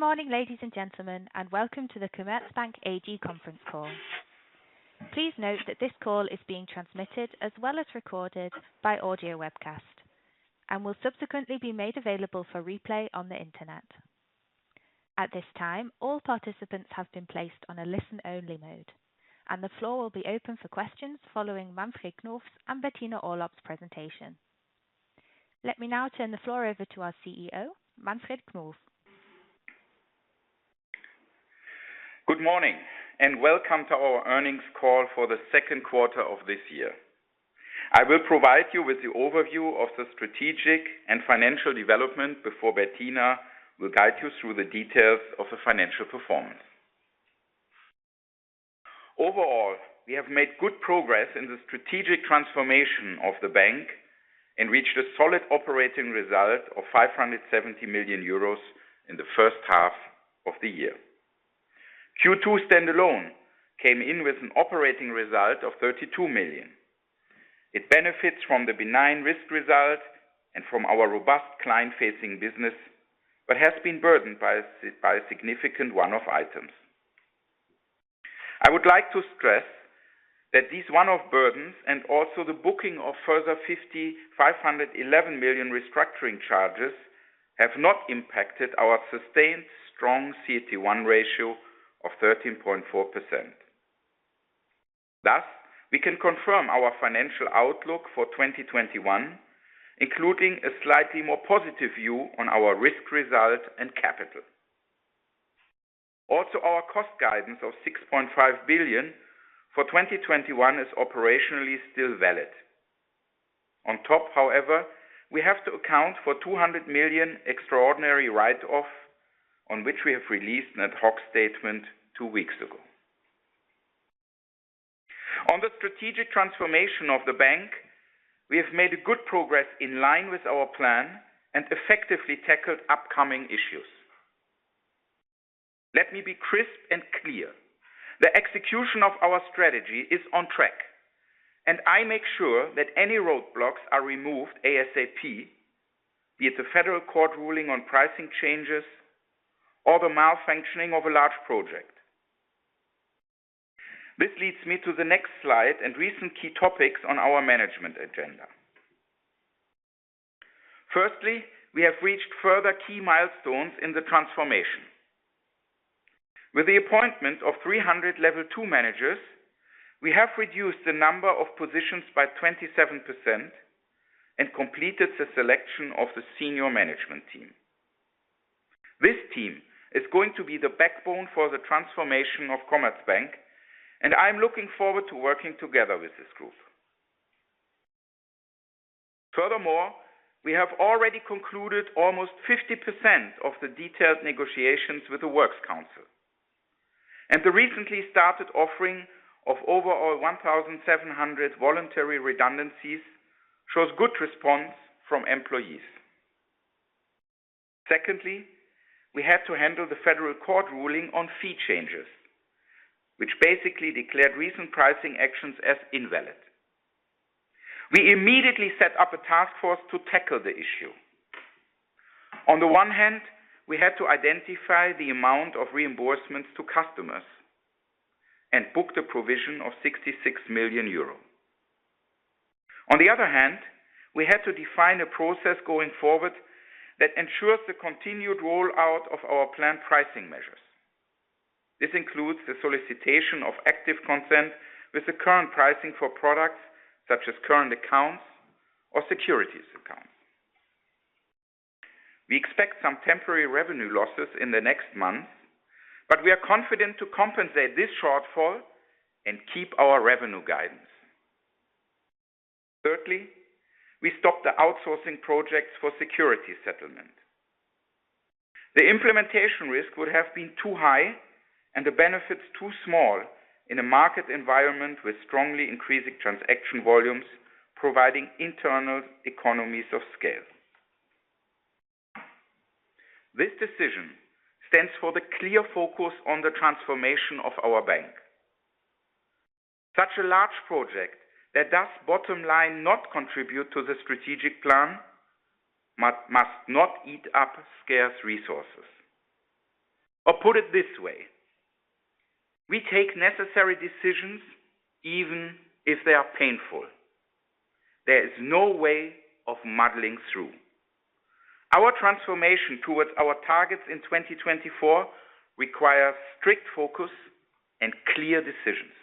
Good morning, ladies and gentlemen, welcome to the Commerzbank AG conference call. Please note that this call is being transmitted as well as recorded by audio webcast and will subsequently be made available for replay on the internet. At this time, all participants have been placed on a listen-only mode, and the floor will be open for questions following Manfred Knof's and Bettina Orlopp's presentation. Let me now turn the floor over to our CEO, Manfred Knof. Good morning and welcome to our earnings call for the second quarter of this year. I will provide you with the overview of the strategic and financial development before Bettina will guide you through the details of the financial performance. Overall, we have made good progress in the strategic transformation of the bank and reached a solid operating result of 570 million euros in the first half of the year. Q2 standalone came in with an operating result of 32 million. It benefits from the benign risk result and from our robust client-facing business but has been burdened by significant one-off items. I would like to stress that these one-off burdens and also the booking of further 511 million restructuring charges have not impacted our sustained strong CET1 ratio of 13.4%. Thus, we can confirm our financial outlook for 2021, including a slightly more positive view on our risk result and capital. Also, our cost guidance of 6.5 billion for 2021 is operationally still valid. On top, however, we have to account for 200 million extraordinary write-off, on which we have released an ad hoc statement two weeks ago. On the Strategy transformation of the bank, we have made good progress in line with our plan and effectively tackled upcoming issues. Let me be crisp and clear. The execution of our Strategy is on track, and I make sure that any roadblocks are removed ASAP, be it the Federal Court of Justice ruling on pricing changes or the malfunctioning of a large project. This leads me to the next slide and recent key topics on our management agenda. Firstly, we have reached further key milestones in the transformation. With the appointment of 300 level two managers, we have reduced the number of positions by 27% and completed the selection of the senior management team. This team is going to be the backbone for the transformation of Commerzbank, and I'm looking forward to working together with this group. Furthermore, we have already concluded almost 50% of the detailed negotiations with the Works Council. The recently started offering of overall 1,700 voluntary redundancies shows good response from employees. Secondly, we had to handle the Federal Court ruling on fee changes, which basically declared recent pricing actions as invalid. We immediately set up a task force to tackle the issue. On the one hand, we had to identify the amount of reimbursements to customers and book the provision of €66 million. On the other hand, we had to define a process going forward that ensures the continued rollout of our planned pricing measures. This includes the solicitation of active consent with the current pricing for products such as current accounts or securities accounts. We expect some temporary revenue losses in the next month. We are confident to compensate this shortfall and keep our revenue guidance. Thirdly, we stopped the outsourcing projects for security settlement. The implementation risk would have been too high and the benefits too small in a market environment with strongly increasing transaction volumes providing internal economies of scale. This decision stands for the clear focus on the transformation of our bank. Such a large project that does bottom line not contribute to the strategic plan must not eat up scarce resources. Put it this way, we take necessary decisions even if they are painful. There is no way of muddling through. Our transformation towards our targets in 2024 requires strict focus and clear decisions.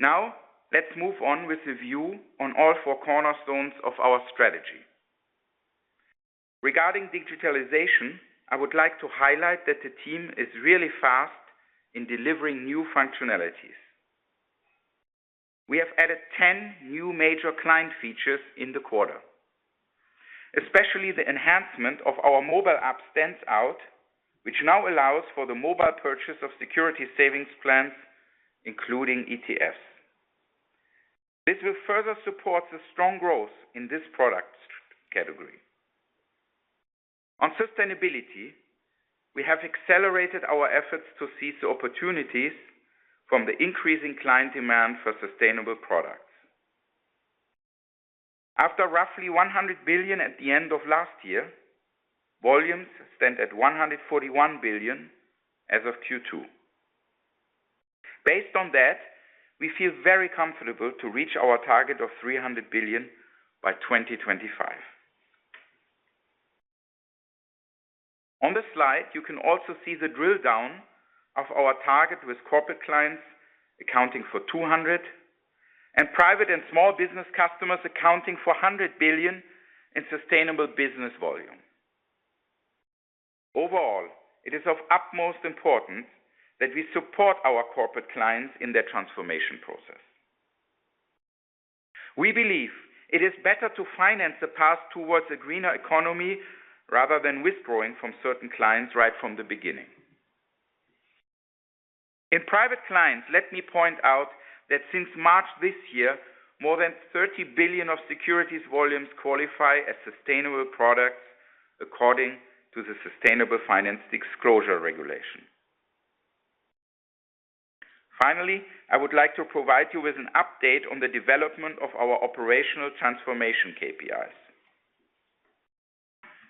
Now, let's move on with the view on all four cornerstones of our strategy. Regarding digitalization, I would like to highlight that the team is really fast in delivering new functionalities. We have added 10 new major client features in the quarter. Especially the enhancement of our mobile app stands out, which now allows for the mobile purchase of security savings plans, including ETFs. This will further support the strong growth in this product category. On sustainability, we have accelerated our efforts to seize the opportunities from the increasing client demand for sustainable products. After roughly 100 billion at the end of last year, volumes stand at 141 billion as of Q2. Based on that, we feel very comfortable to reach our target of 300 billion by 2025. On the slide, you can also see the drill down of our target with Corporate Clients accounting for 200 and Private and Small-Business Customers accounting for 100 billion in sustainable business volume. Overall, it is of utmost importance that we support our Corporate Clients in their transformation process. We believe it is better to finance the path towards a greener economy rather than withdrawing from certain clients right from the beginning. In Private Clients, let me point out that since March this year, more than 30 billion of securities volumes qualify as sustainable products according to the Sustainable Finance Disclosure Regulation. Finally, I would like to provide you with an update on the development of our operational transformation KPIs.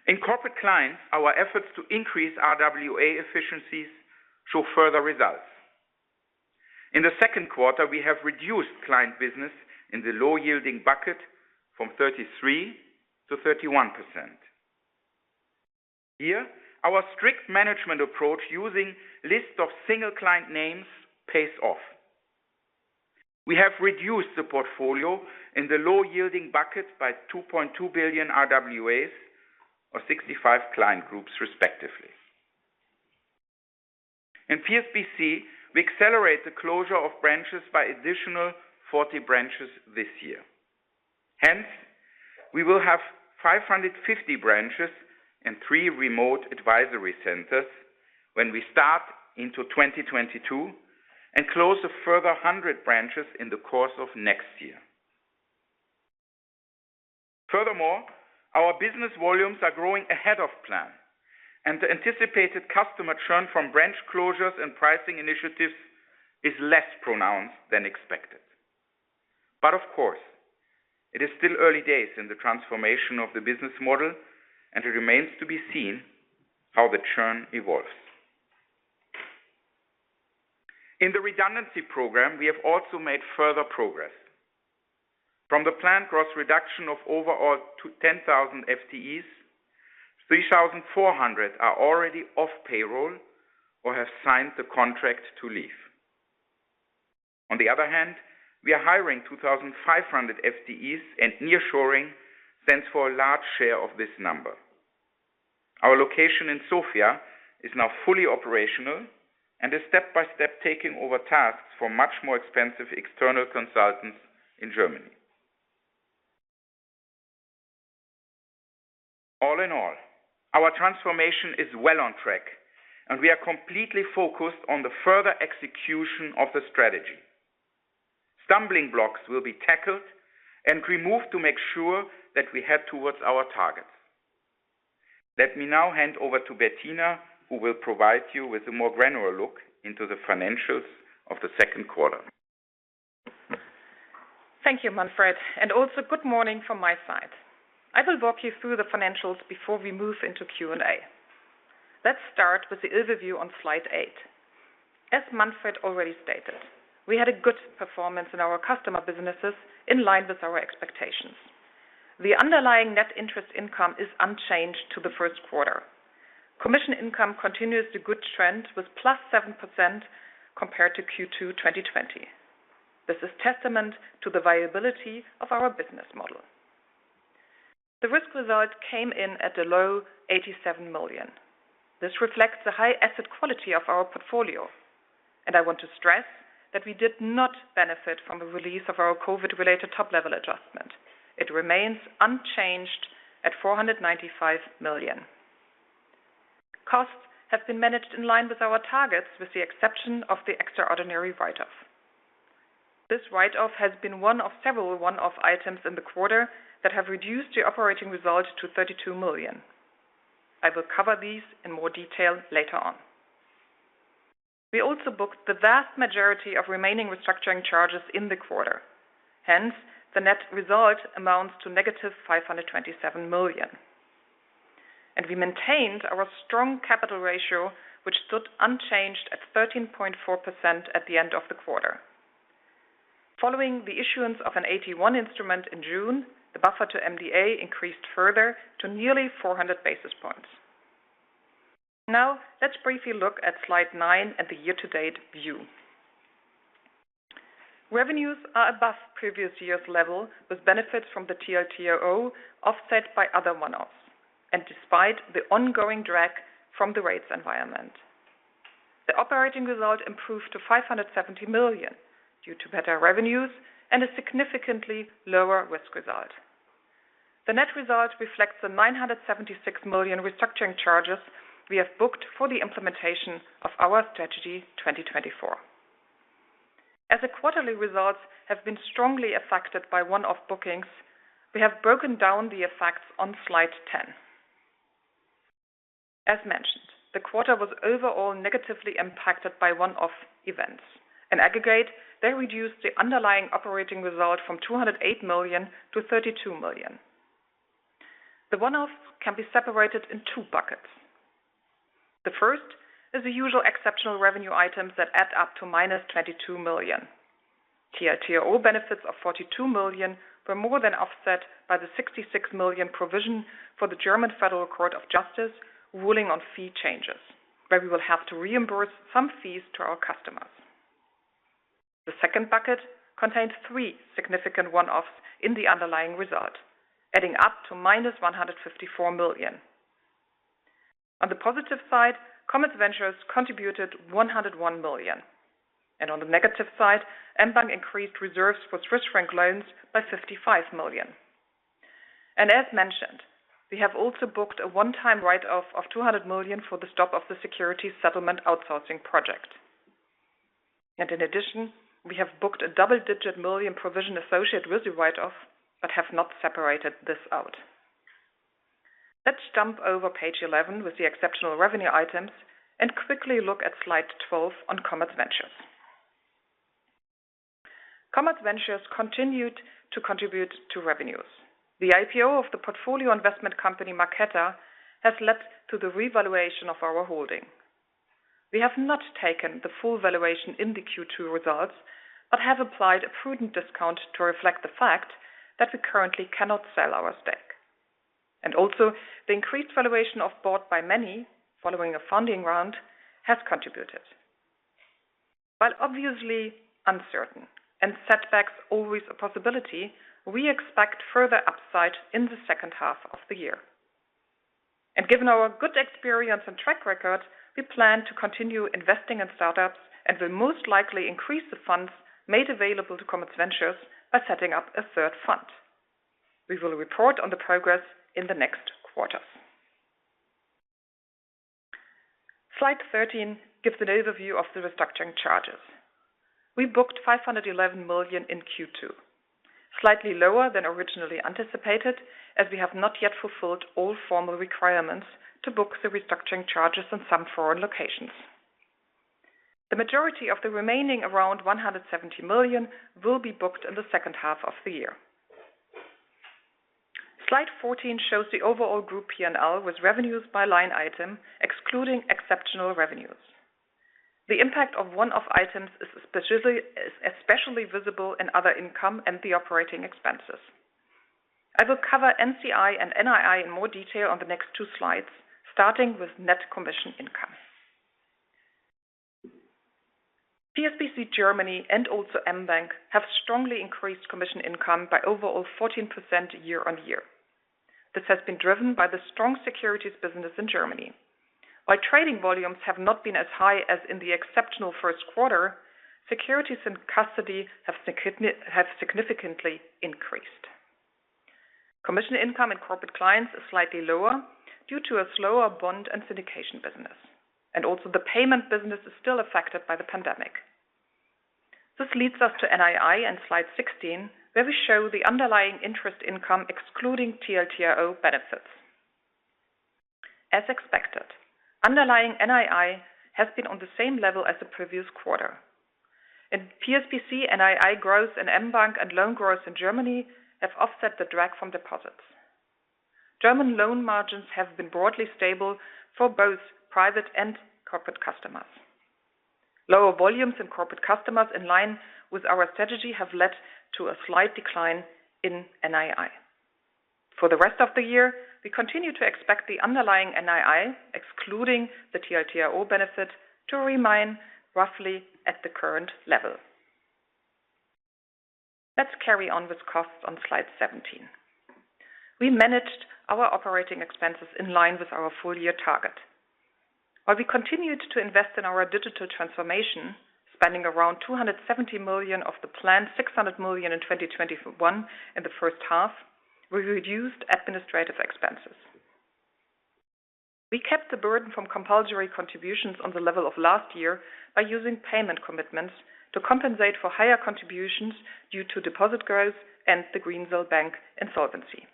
In Corporate Clients, our efforts to increase RWA efficiencies show further results. In the second quarter, we have reduced client business in the low-yielding bucket from 33% to 31%. Here, our strict management approach using list of single client names pays off. We have reduced the portfolio in the low-yielding bucket by 2.2 billion RWAs or 65 client groups, respectively. In PSBC, we accelerate the closure of branches by additional 40 branches this year. Hence, we will have 550 branches and three remote advisory centers when we start into 2022 and close a further 100 branches in the course of next year. Of course, it is still early days in the transformation of the business model, and it remains to be seen how the churn evolves. In the redundancy program, we have also made further progress. From the planned gross reduction of overall 10,000 FTEs, 3,400 are already off payroll or have signed the contract to leave. On the other hand, we are hiring 2,500 FTEs and nearshoring stands for a large share of this number. Our location in Sofia is now fully operational and is step-by-step taking over tasks for much more expensive external consultants in Germany. All in all, our transformation is well on track, and we are completely focused on the further execution of the strategy. Stumbling blocks will be tackled and removed to make sure that we head towards our targets. Let me now hand over to Bettina who will provide you with a more granular look into the financials of the second quarter. Thank you, Manfred, and also good morning from my side. I will walk you through the financials before we move into Q&A. Let's start with the overview on Slide 8. As Manfred already stated, we had a good performance in our customer businesses in line with our expectations. The underlying net interest income is unchanged to the first quarter. Commission income continues the good trend with +7% compared to Q2 2020. This is testament to the viability of our business model. The risk result came in at a low 87 million. This reflects the high asset quality of our portfolio. I want to stress that we did not benefit from the release of our COVID-related Top-Level Adjustment. It remains unchanged at 495 million. Costs have been managed in line with our targets, with the exception of the extraordinary write-off. This write-off has been one of several one-off items in the quarter that have reduced the operating result to 32 million. I will cover these in more detail later on. We also booked the vast majority of remaining restructuring charges in the quarter. The net result amounts to negative 527 million. We maintained our strong capital ratio, which stood unchanged at 13.4% at the end of the quarter. Following the issuance of an AT1 instrument in June, the buffer to MDA increased further to nearly 400 basis points. Let's briefly look at Slide 9 at the year-to-date view. Revenues are above previous year's level with benefit from the TLTRO offset by other one-offs and despite the ongoing drag from the rates environment. The operating result improved to 570 million due to better revenues and a significantly lower risk result. The net result reflects the 976 million restructuring charges we have booked for the implementation of our Strategy 2024. As the quarterly results have been strongly affected by one-off bookings, we have broken down the effects on Slide 10. As mentioned, the quarter was overall negatively impacted by one-off events. In aggregate, they reduced the underlying operating result from 208 million to 32 million. The one-offs can be separated in two buckets. The first is the usual exceptional revenue items that add up to minus 22 million. TLTRO benefits of 42 million were more than offset by the 66 million provision for the German Federal Court of Justice ruling on fee changes, where we will have to reimburse some fees to our customers. The second bucket contained three significant one-offs in the underlying result, adding up to minus 154 million. On the positive side, CommerzVentures contributed 101 million, on the negative side, mBank increased reserves for Swiss franc loans by 55 million. As mentioned, we have also booked a one-time write-off of 200 million for the stop of the security settlement outsourcing project. In addition, we have booked a double-digit million provision associated with the write-off but have not separated this out. Let's jump over Page 11 with the exceptional revenue items and quickly look at Slide 12 on CommerzVentures. CommerzVentures continued to contribute to revenues. The IPO of the portfolio investment company Marqeta has led to the revaluation of our holding. We have not taken the full valuation in the Q2 results but have applied a prudent discount to reflect the fact that we currently cannot sell our stake. Also, the increased valuation of Bought By Many, following a funding round, has contributed. While obviously uncertain and setbacks always a possibility, we expect further upside in the second half of the year. Given our good experience and track record, we plan to continue investing in startups and will most likely increase the funds made available to CommerzVentures by setting up a third fund. We will report on the progress in the next quarters. Slide 13 gives an overview of the restructuring charges. We booked 511 million in Q2, slightly lower than originally anticipated, as we have not yet fulfilled all formal requirements to book the restructuring charges in some foreign locations. The majority of the remaining around 170 million will be booked in the second half of the year. Slide 14 shows the overall group P&L with revenues by line item, excluding exceptional revenues. The impact of one-off items is especially visible in other income and the operating expenses. I will cover NCI and NII in more detail on the next two slides, starting with net commission income. PSBC Germany and also mBank have strongly increased commission income by overall 14% year on year. This has been driven by the strong securities business in Germany. While trading volumes have not been as high as in the exceptional first quarter, securities and custody have significantly increased. Commission income in Corporate Clients is slightly lower due to a slower bond and syndication business. The payment business is still affected by the pandemic. This leads us to NII and Slide 16, where we show the underlying interest income excluding TLTRO benefits. As expected, underlying NII has been on the same level as the previous quarter. In PSBC, NII growth in mBank and loan growth in Germany have offset the drag from deposits. German loan margins have been broadly stable for both private and corporate customers. Lower volumes in Corporate Customers in line with our strategy have led to a slight decline in NII. For the rest of the year, we continue to expect the underlying NII, excluding the TLTRO benefit, to remain roughly at the current level. Let's carry on with costs on Slide 17. We managed our operating expenses in line with our full-year target. While we continued to invest in our digital transformation, spending around 270 million of the planned 600 million in 2021 in the first half, we reduced administrative expenses. We kept the burden from compulsory contributions on the level of last year by using payment commitments to compensate for higher contributions due to deposit growth and the Greensill Bank insolvency.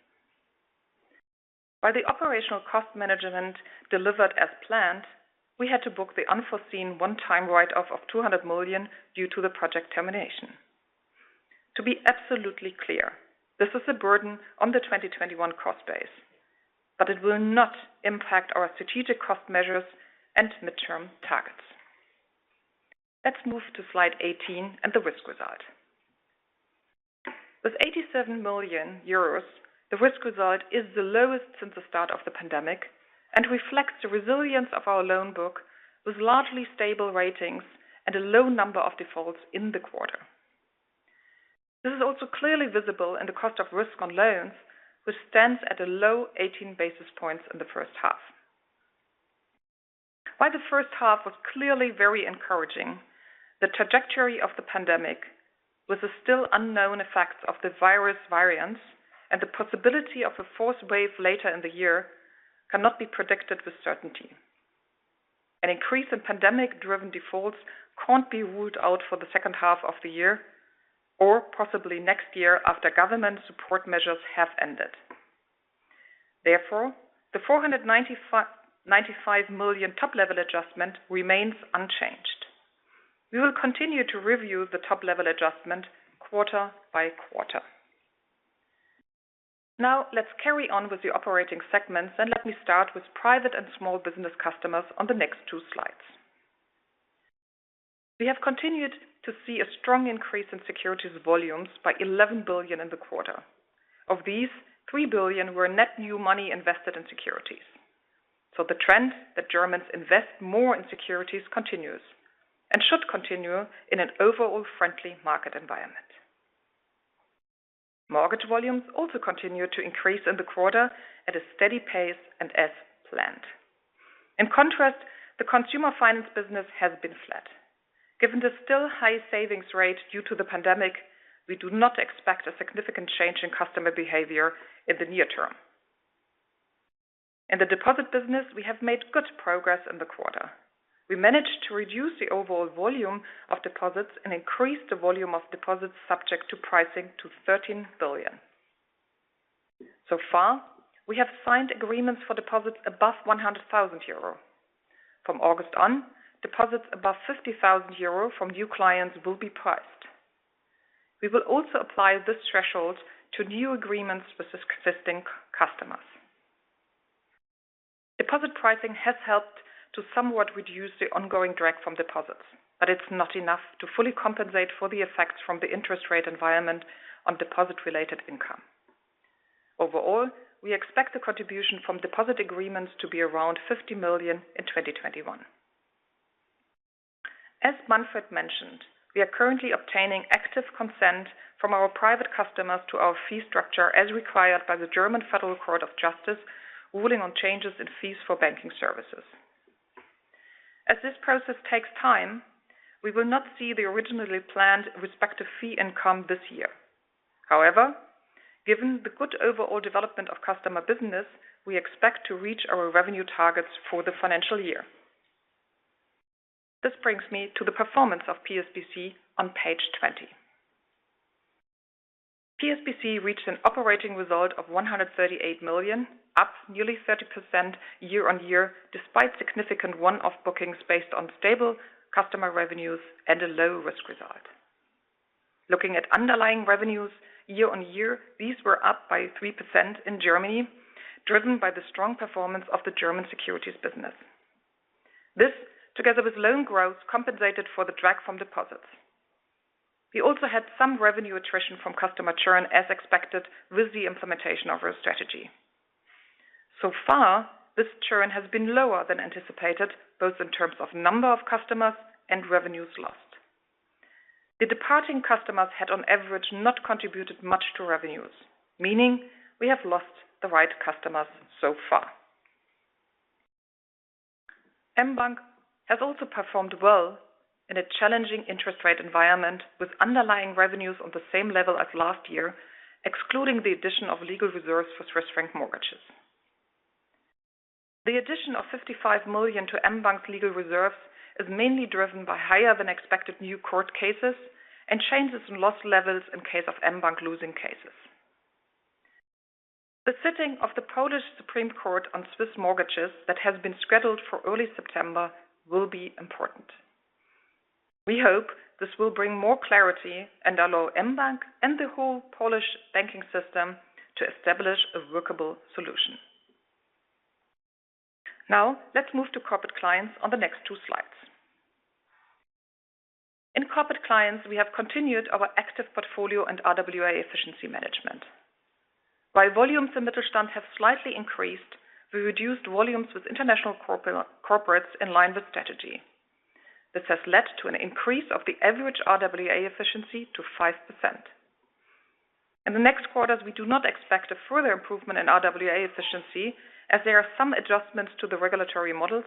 While the operational cost management delivered as planned, we had to book the unforeseen one-time write-off of 200 million due to the project termination. To be absolutely clear, this is a burden on the 2021 cost base, but it will not impact our strategic cost measures and midterm targets. Let's move to Slide 18 and the risk result. With 87 million euros, the risk result is the lowest since the start of the pandemic and reflects the resilience of our loan book with largely stable ratings and a low number of defaults in the quarter. This is also clearly visible in the cost of risk on loans, which stands at a low 18 basis points in the first half. While the first half was clearly very encouraging, the trajectory of the pandemic, with the still unknown effects of the virus variants and the possibility of a fourth wave later in the year, cannot be predicted with certainty. An increase in pandemic-driven defaults can't be ruled out for the second half of the year or possibly next year after government support measures have ended. The 495 million top-level adjustment remains unchanged. We will continue to review the top-level adjustment quarter by quarter. Let's carry on with the operating segments and let me start with Private and Small-Business Customers on the next two slides. We have continued to see a strong increase in securities volumes by 11 billion in the quarter. Of these, 3 billion were net new money invested in securities. The trend that Germans invest more in securities continues and should continue in an overall friendly market environment. Mortgage volumes also continued to increase in the quarter at a steady pace and as planned. In contrast, the consumer finance business has been flat. Given the still high savings rate due to the pandemic, we do not expect a significant change in customer behavior in the near term. In the deposit business, we have made good progress in the quarter. We managed to reduce the overall volume of deposits and increase the volume of deposits subject to pricing to 13 billion. So far, we have signed agreements for deposits above €100,000. From August on, deposits above €50,000 from new clients will be priced. We will also apply this threshold to new agreements with existing customers. Deposit pricing has helped to somewhat reduce the ongoing drag from deposits, but it is not enough to fully compensate for the effects from the interest rate environment on deposit-related income. Overall, we expect the contribution from deposit agreements to be around 50 million in 2021. As Manfred mentioned, we are currently obtaining active consent from our private customers to our fee structure, as required by the German Federal Court of Justice, ruling on changes in fees for banking services. However, given the good overall development of customer business, we expect to reach our revenue targets for the financial year. This brings me to the performance of PSBC on Page 20. PSBC reached an operating result of 138 million, up nearly 30% year-on-year, despite significant one-off bookings based on stable customer revenues and a low-risk result. Looking at underlying revenues year-on-year, these were up by 3% in Germany, driven by the strong performance of the German securities business. This, together with loan growth, compensated for the drag from deposits. We also had some revenue attrition from customer churn, as expected with the implementation of our strategy. So far, this churn has been lower than anticipated, both in terms of number of customers and revenues lost. The departing customers had, on average, not contributed much to revenues, meaning we have lost the right customers so far. mBank has also performed well in a challenging interest rate environment, with underlying revenues on the same level as last year, excluding the addition of legal reserves for Swiss franc mortgages. The addition of 55 million to mBank's legal reserves is mainly driven by higher than expected new court cases and changes in loss levels in case of mBank losing cases. The sitting of the Supreme Court of Poland on Swiss mortgages that has been scheduled for early September will be important. We hope this will bring more clarity and allow mBank and the whole Polish banking system to establish a workable solution. Let's move to Corporate Clients on the next two slides. In Corporate Clients, we have continued our active portfolio and RWA efficiency management. While volumes in Mittelstand have slightly increased, we reduced volumes with international corporates in line with strategy. This has led to an increase of the average RWA efficiency to 5%. In the next quarters, we do not expect a further improvement in RWA efficiency as there are some adjustments to the regulatory models,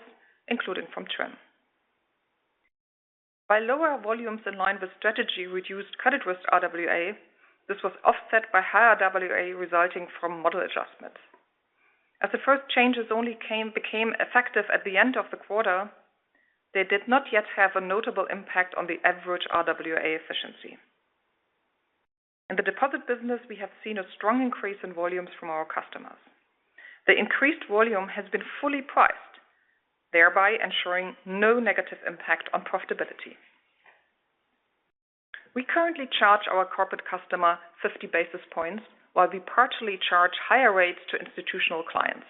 including from TRIM. While lower volumes in line with strategy reduced credit risk RWA, this was offset by higher RWA resulting from model adjustments. As the first changes only became effective at the end of the quarter, they did not yet have a notable impact on the average RWA efficiency. In the deposit business, we have seen a strong increase in volumes from our customers. The increased volume has been fully priced, thereby ensuring no negative impact on profitability. We currently charge our corporate customer 50 basis points, while we partially charge higher rates to institutional clients.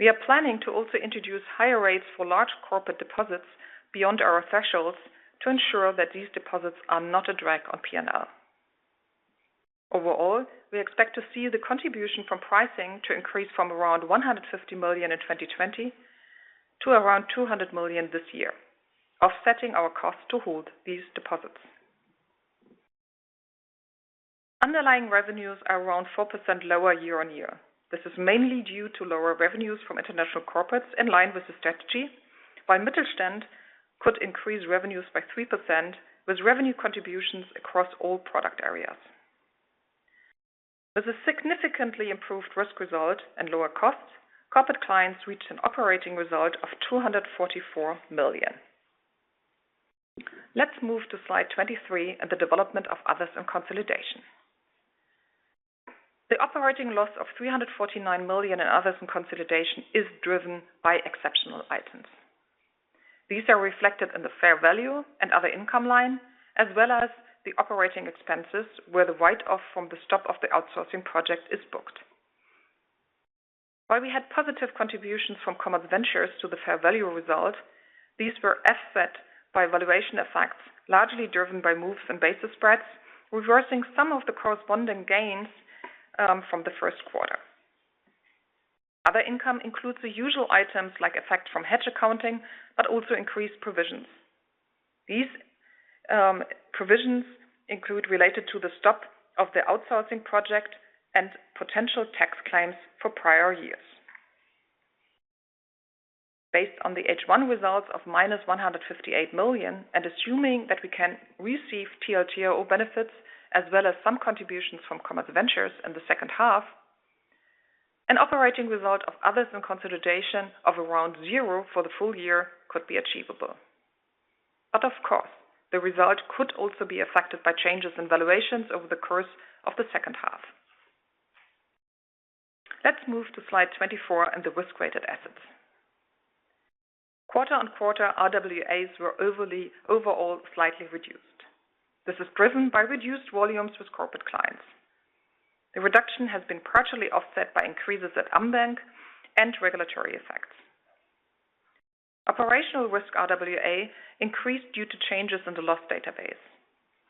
We are planning to also introduce higher rates for large corporate deposits beyond our thresholds to ensure that these deposits are not a drag on P&L. Overall, we expect to see the contribution from pricing to increase from around 150 million in 2020 to around 200 million this year, offsetting our cost to hold these deposits. Underlying revenues are around 4% lower year-on-year. This is mainly due to lower revenues from international corporates in line with the strategy. Mittelstand could increase revenues by 3%, with revenue contributions across all product areas. With a significantly improved risk result and lower costs, Corporate Clients reached an operating result of 244 million. Let's move to Slide 23 and the development of Others and Consolidation. The operating loss of 349 million in Others and Consolidation is driven by exceptional items. These are reflected in the fair value and other income line, as well as the operating expenses, where the write-off from the stop of the outsourcing project is booked. While we had positive contributions from CommerzVentures to the fair value result, these were offset by valuation effects, largely driven by moves in basis spreads, reversing some of the corresponding gains from the first quarter. Other income includes the usual items like effect from hedge accounting, also increased provisions. These provisions include related to the stop of the outsourcing project and potential tax claims for prior years. Based on the H1 results of -158 million, assuming that we can receive TLTRO benefits as well as some contributions from CommerzVentures in the second half, an operating result of Others and Consolidation of around 0 for the full year could be achievable. Of course, the result could also be affected by changes in valuations over the course of the second half. Let's move to Slide 24 and the risk-weighted assets. Quarter-on-quarter, RWAs were overall slightly reduced. This is driven by reduced volumes with Corporate Clients. The reduction has been partially offset by increases at mBank and regulatory effects. Operational risk RWA increased due to changes in the loss database.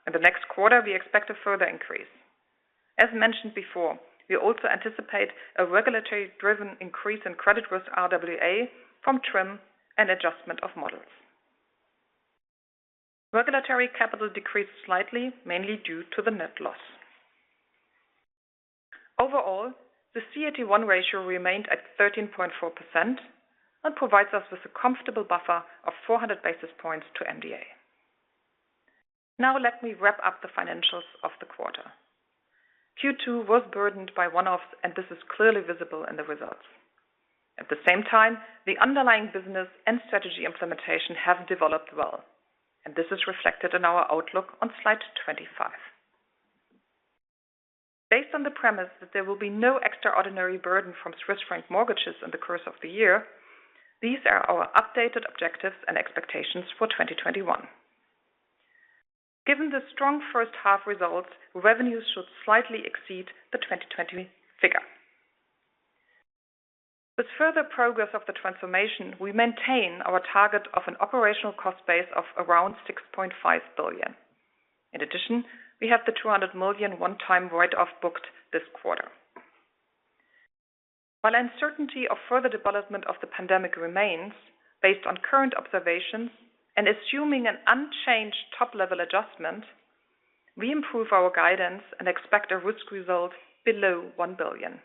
In the next quarter, we expect a further increase. As mentioned before, we also anticipate a regulatory-driven increase in credit risk RWA from TRIM and adjustment of models. Regulatory capital decreased slightly, mainly due to the net loss. Overall, the CET1 ratio remained at 13.4% and provides us with a comfortable buffer of 400 basis points to MDA. Now let me wrap up the financials of the quarter. Q2 was burdened by one-offs, and this is clearly visible in the results. At the same time, the underlying business and strategy implementation have developed well, and this is reflected in our outlook on Slide 25. Based on the premise that there will be no extraordinary burden from Swiss franc mortgages in the course of the year, these are our updated objectives and expectations for 2021. Given the strong first half results, revenues should slightly exceed the 2020 figure. With further progress of the transformation, we maintain our target of an operational cost base of around 6.5 billion. In addition, we have the 200 million one-time write-off booked this quarter. While uncertainty of further development of the pandemic remains, based on current observations and assuming an unchanged top-level adjustment, we improve our guidance and expect a risk result below 1 billion.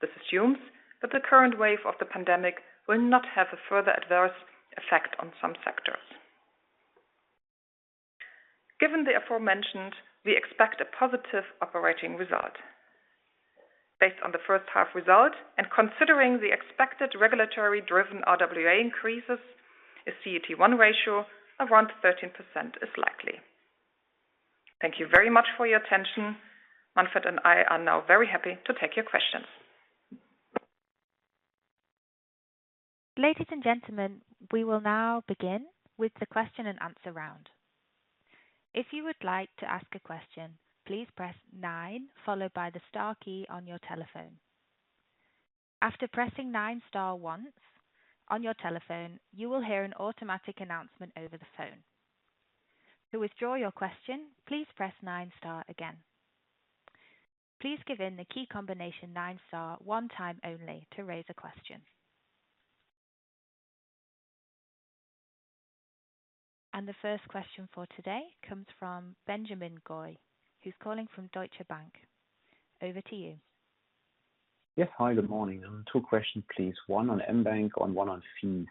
This assumes that the current wave of the pandemic will not have a further adverse effect on some sectors. Given the aforementioned, we expect a positive operating result. Based on the first half result and considering the expected regulatory-driven RWA increases, a CET1 ratio of around 13% is likely. Thank you very much for your attention. Manfred and I are now very happy to take your questions. Ladies and gentlemen, we will now begin with the question-and-answer round. If you would like to ask a question, please press nine followed by the star key on your telephone. After pressing nine star one time on your telephone, you will hear an automatic announcement over the phone. To withdraw your question, please press nine star again. Please give in the key combination nine star one time only to raise a question. The first question for today comes from Benjamin Goy, who's calling from Deutsche Bank. Over to you. Yes. Hi, good morning. Two questions, please. One on mBank and one on fees.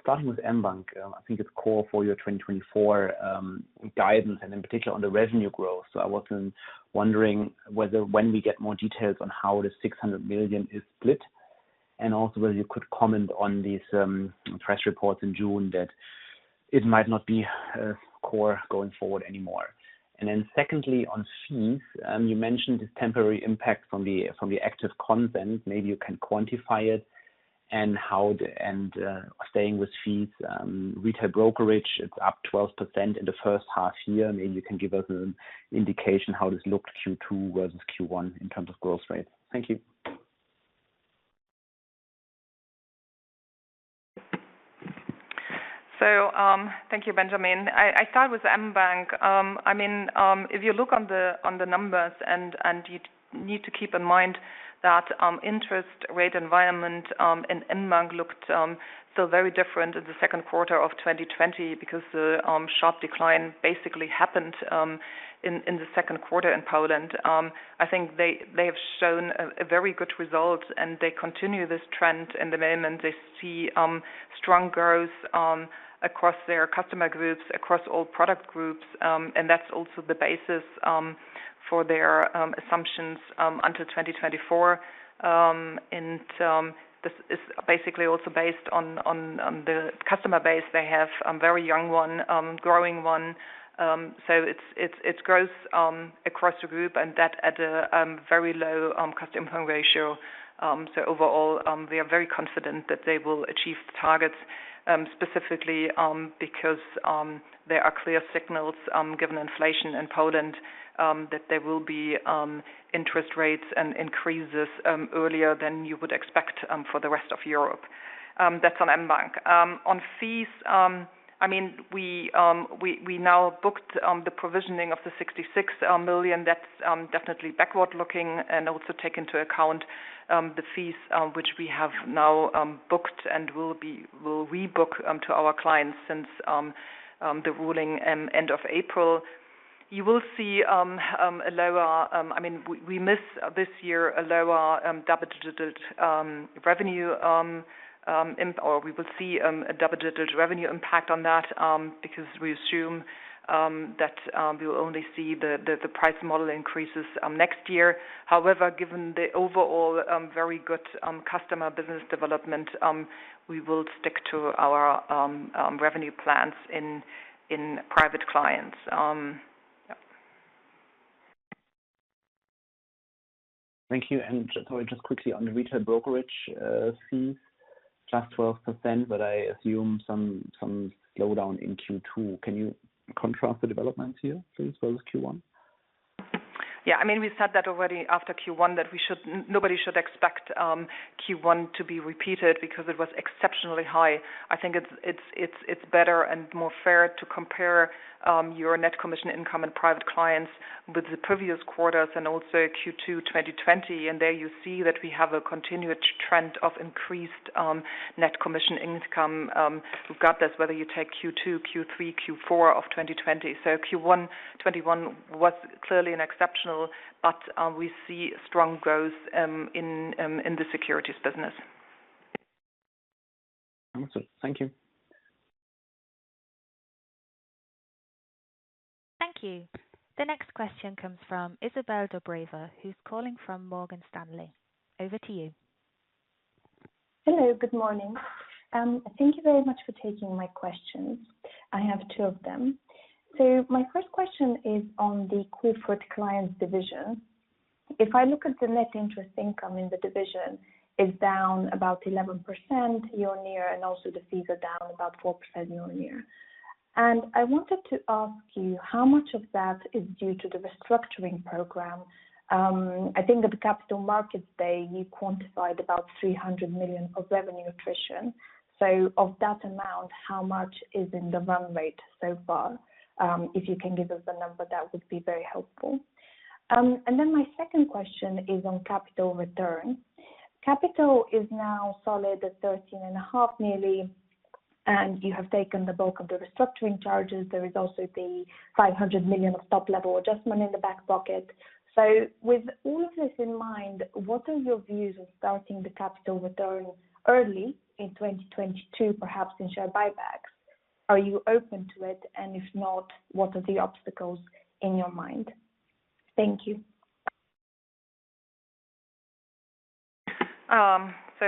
Starting with mBank, I think it's core for your 2024 guidance and in particular on the revenue growth. I was wondering when we get more details on how the 600 million is split, and also whether you could comment on these press reports in June that it might not be core going forward anymore. Secondly, on fees, you mentioned the temporary impact from the active content. Maybe you can quantify it and staying with fees, retail brokerage, it's up 12% in the first half year. Maybe you can give us an indication how this looked Q2 versus Q1 in terms of growth rate. Thank you. Thank you, Benjamin. I start with mBank. If you look on the numbers and you need to keep in mind that interest rate environment in mBank looked still very different in the second quarter of 2020 because the sharp decline basically happened in the second quarter in Poland. I think they have shown a very good result, and they continue this trend. In the moment, they see strong growth across their customer groups, across all product groups, and that's also the basis for their assumptions until 2024. This is basically also based on the customer base they have, a very young one, growing one. It's growth across the group and that at a very low customer churn ratio. Overall, we are very confident that they will achieve the targets, specifically because there are clear signals, given inflation in Poland, that there will be interest rates and increases earlier than you would expect for the rest of Europe. That's on mBank. On fees, we now booked the provisioning of the 66 million. That's definitely backward-looking and also take into account the fees which we have now booked and will rebook to our clients since the ruling end of April. We miss this year a lower double-digit revenue, or we will see a double-digit revenue impact on that, because we assume that we will only see the price model increases next year. However, given the overall very good customer business development, we will stick to our revenue plans in private clients. Yep. Thank you. Sorry, just quickly on the retail brokerage fees. Plus 12%, but I assume some slowdown in Q2. Can you contrast the developments here so as well as Q1? We said that already after Q1 that nobody should expect Q1 to be repeated because it was exceptionally high. I think it's better and more fair to compare your net commission income and private clients with the previous quarters and also Q2 2020, and there you see that we have a continued trend of increased net commission income, regardless whether you take Q2, Q3, Q4 of 2020. Q1 2021 was clearly an exceptional, but we see strong growth in the securities business. Awesome. Thank you. Thank you. The next question comes from Izabel Dobreva who's calling from Morgan Stanley. Over to you. Hello. Good morning. Thank you very much for taking my questions. I have two of them. My first question is on the Corporate Clients division. If I look at the net interest income in the division, it's down about 11% year-on-year, and also the fees are down about 4% year-on-year. I wanted to ask you how much of that is due to the restructuring program? I think at the Capital Markets Day, you quantified about 300 million of revenue attrition. Of that amount, how much is in the run rate so far? If you can give us a number, that would be very helpful. My second question is on capital return. Capital is now solid at 13.5% nearly, and you have taken the bulk of the restructuring charges. There is also the 500 million of top-level adjustment in the back pocket. With all of this in mind, what are your views on starting the capital return early in 2022, perhaps in share buybacks? Are you open to it, and if not, what are the obstacles in your mind? Thank you.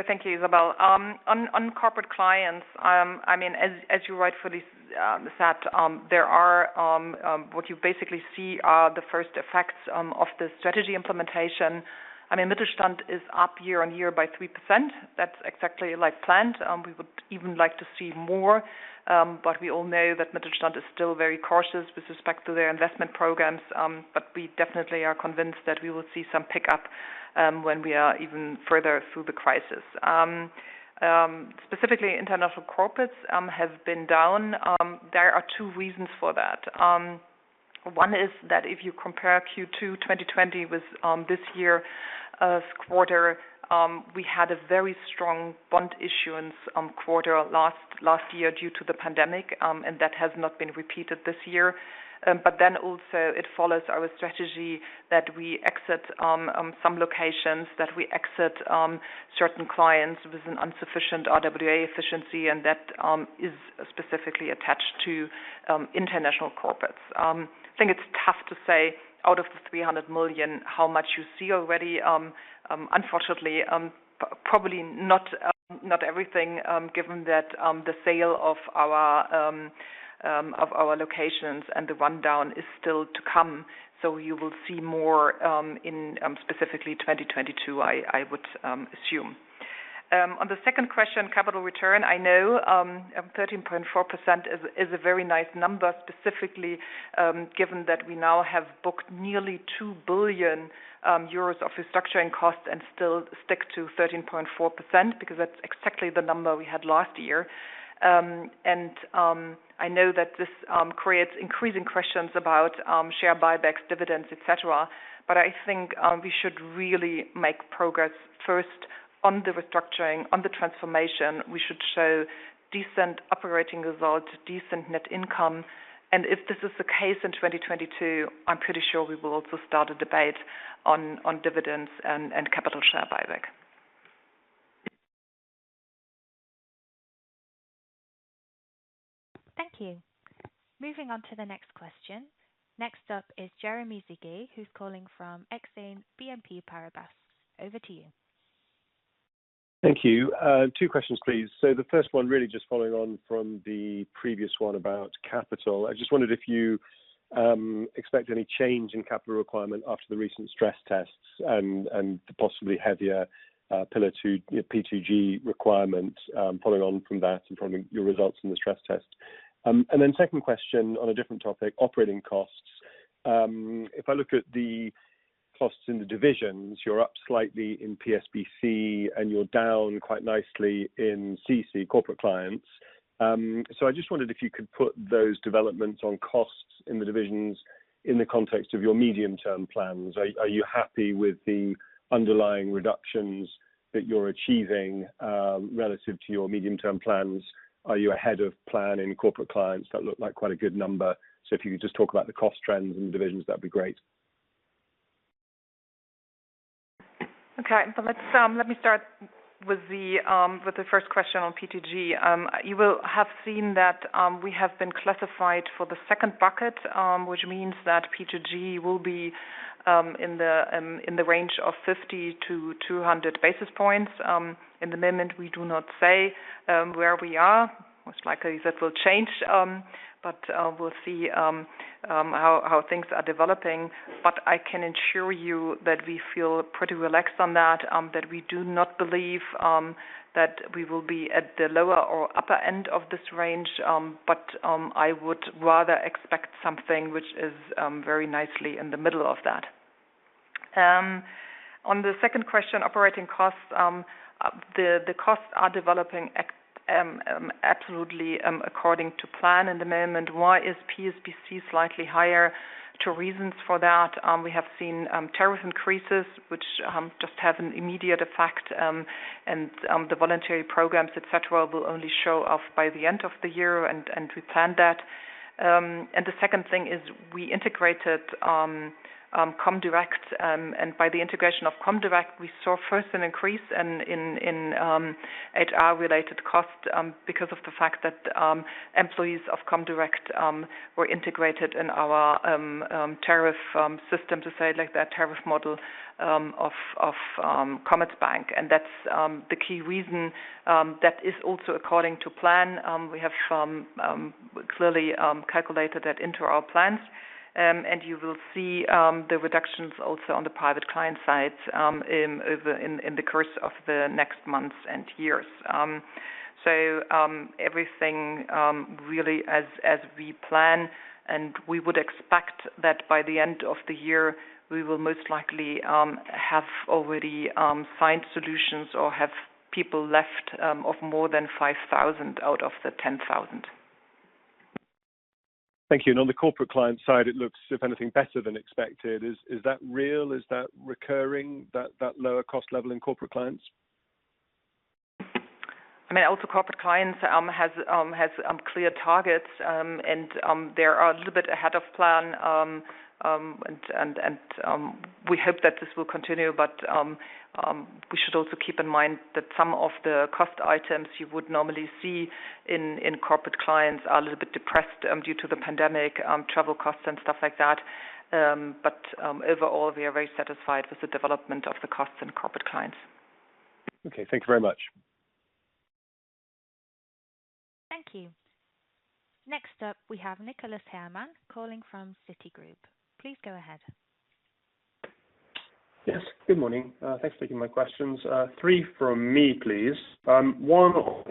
Thank you, Isabel. On Corporate Clients, as you rightfully said, there are what you basically see are the first effects of the strategy implementation. Mittelstand is up year-on-year by 3%. That's exactly like planned. We would even like to see more. We all know that Mittelstand is still very cautious with respect to their investment programs. Specifically, international corporates have been down. There are 2 reasons for that. One is that if you compare Q2 2020 with this year's quarter, we had a very strong bond issuance quarter last year due to the pandemic, and that has not been repeated this year. Also it follows our strategy that we exit some locations, that we exit certain clients with an insufficient RWA efficiency, and that is specifically attached to international corporates. I think it's tough to say out of the 300 million, how much you see already. Unfortunately, probably not everything, given that the sale of our locations and the rundown is still to come. You will see more in specifically 2022, I would assume. On the second question, capital return, I know 13.4% is a very nice number, specifically given that we now have booked nearly 2 billion euros of restructuring costs and still stick to 13.4% because that's exactly the number we had last year. I know that this creates increasing questions about share buybacks, dividends, et cetera. I think we should really make progress first on the restructuring, on the transformation. We should show decent operating results, decent net income. If this is the case in 2022, I'm pretty sure we will also start a debate on dividends and capital share buyback. Thank you. Moving on to the next question. Next up is Jeremy Sigee, who's calling from Exane BNP Paribas. Over to you. Thank you. Two questions, please. The first one, really just following on from the previous one about capital. I just wondered if you expect any change in capital requirement after the recent stress tests and the possibly heavier Pillar 2, P2G requirement, following on from that and from your results in the stress test. Second question on a different topic, operating costs. If I look at the costs in the divisions, you're up slightly in PSBC and you're down quite nicely in CC Corporate Clients. I just wondered if you could put those developments on costs in the divisions in the context of your medium-term plans. Are you happy with the underlying reductions that you're achieving relative to your medium-term plans? Are you ahead of plan in Corporate Clients? That looked like quite a good number. If you could just talk about the cost trends in divisions, that'd be great. Okay. Let me start with the 1st question on P2G. You will have seen that we have been classified for the 2nd bucket, which means that P2G will be in the range of 50-200 basis points. In the moment, we do not say where we are. Most likely that will change. We'll see how things are developing. I can assure you that we feel pretty relaxed on that we do not believe that we will be at the lower or upper end of this range. I would rather expect something which is very nicely in the middle of that. On the 2nd question, operating costs. The costs are developing absolutely according to plan in the moment. Why is PSBC slightly higher? 2 reasons for that. We have seen tariff increases, which just have an immediate effect, and the voluntary programs, et cetera, will only show off by the end of the year, and we plan that. The second thing is we integrated Comdirect, and by the integration of Comdirect, we saw first an increase in HR-related cost because of the fact that employees of Comdirect were integrated in our tariff system, to say it like that, tariff model of Commerzbank. That's the key reason. That is also according to plan. We have clearly calculated that into our plans. You will see the reductions also on the private client side in the course of the next months and years. Everything really as we plan, and we would expect that by the end of the year, we will most likely have already find solutions or have people left of more than 5,000 out of the 10,000. Thank you. On the Corporate Clients side, it looks, if anything, better than expected. Is that real? Is that recurring, that lower cost level in Corporate Clients? Corporate Clients has clear targets, and they are a little bit ahead of plan. We hope that this will continue, but we should also keep in mind that some of the cost items you would normally see in Corporate Clients are a little bit depressed due to the pandemic, travel costs and stuff like that. Overall, we are very satisfied with the development of the costs in Corporate Clients. Okay. Thank you very much. Thank you. Next up, we have Nicholas Herman calling from Citigroup. Please go ahead. Yes. Good morning. Thanks for taking my questions. 3 from me, please. 1 on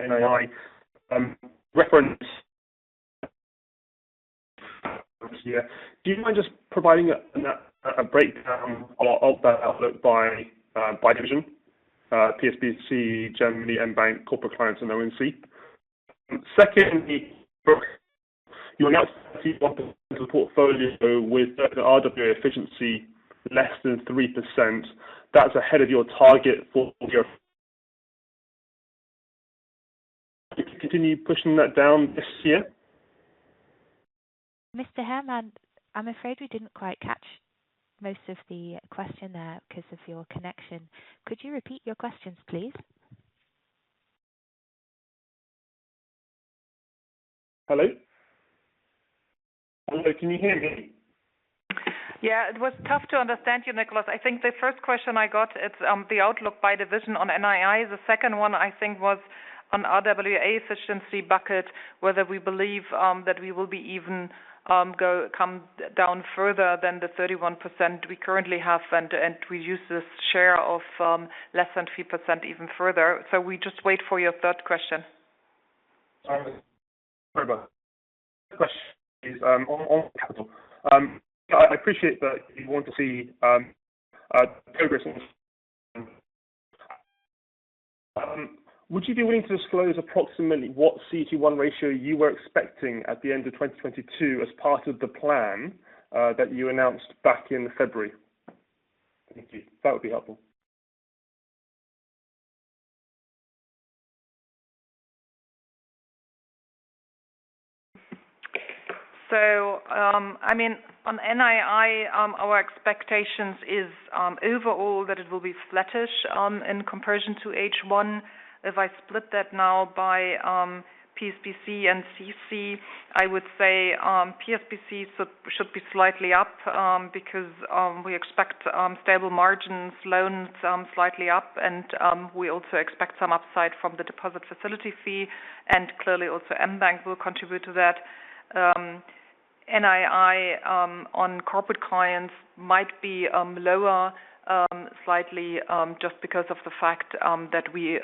NII reference here. Do you mind just providing a breakdown of that outlook by division, PSBC, Germany mBank, Corporate Clients, and O&C? 2nd, you announced the portfolio with RWA efficiency less than 3%. That's ahead of your target. Continue pushing that down this year? Mr. Herman, I'm afraid we didn't quite catch most of the question there because of your connection. Could you repeat your questions, please? Hello? Hello, can you hear me? It was tough to understand you, Nicholas. I think the first question I got, it's the outlook by division on NII. The second one I think was on RWA efficiency bucket, whether we believe that we will be even come down further than the 31% we currently have and reduce this share of less than 3% even further. We just wait for your third question. Sorry about that. Third question is on capital. Would you be willing to disclose approximately what CET1 ratio you were expecting at the end of 2022 as part of the plan that you announced back in February? Thank you. That would be helpful. On NII our expectations is overall that it will be flattish in comparison to H1. If I split that now by PSBC and CC, I would say PSBC should be slightly up because we expect stable margins loans slightly up, and we also expect some upside from the deposit facility fee, and clearly also mBank will contribute to that. NII on Corporate Clients might be lower slightly, just because of the fact that we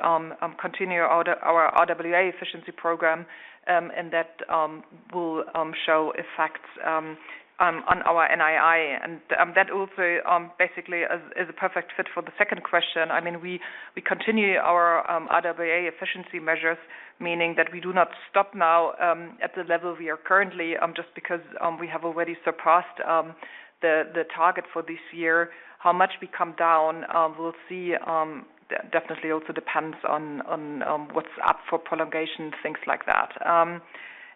continue our RWA efficiency program, and that will show effects on our NII. That also basically is a perfect fit for the second question. We continue our RWA efficiency measures, meaning that we do not stop now at the level we are currently, just because we have already surpassed the target for this year. How much we come down, we'll see. Definitely also depends on what's up for prolongation, things like that.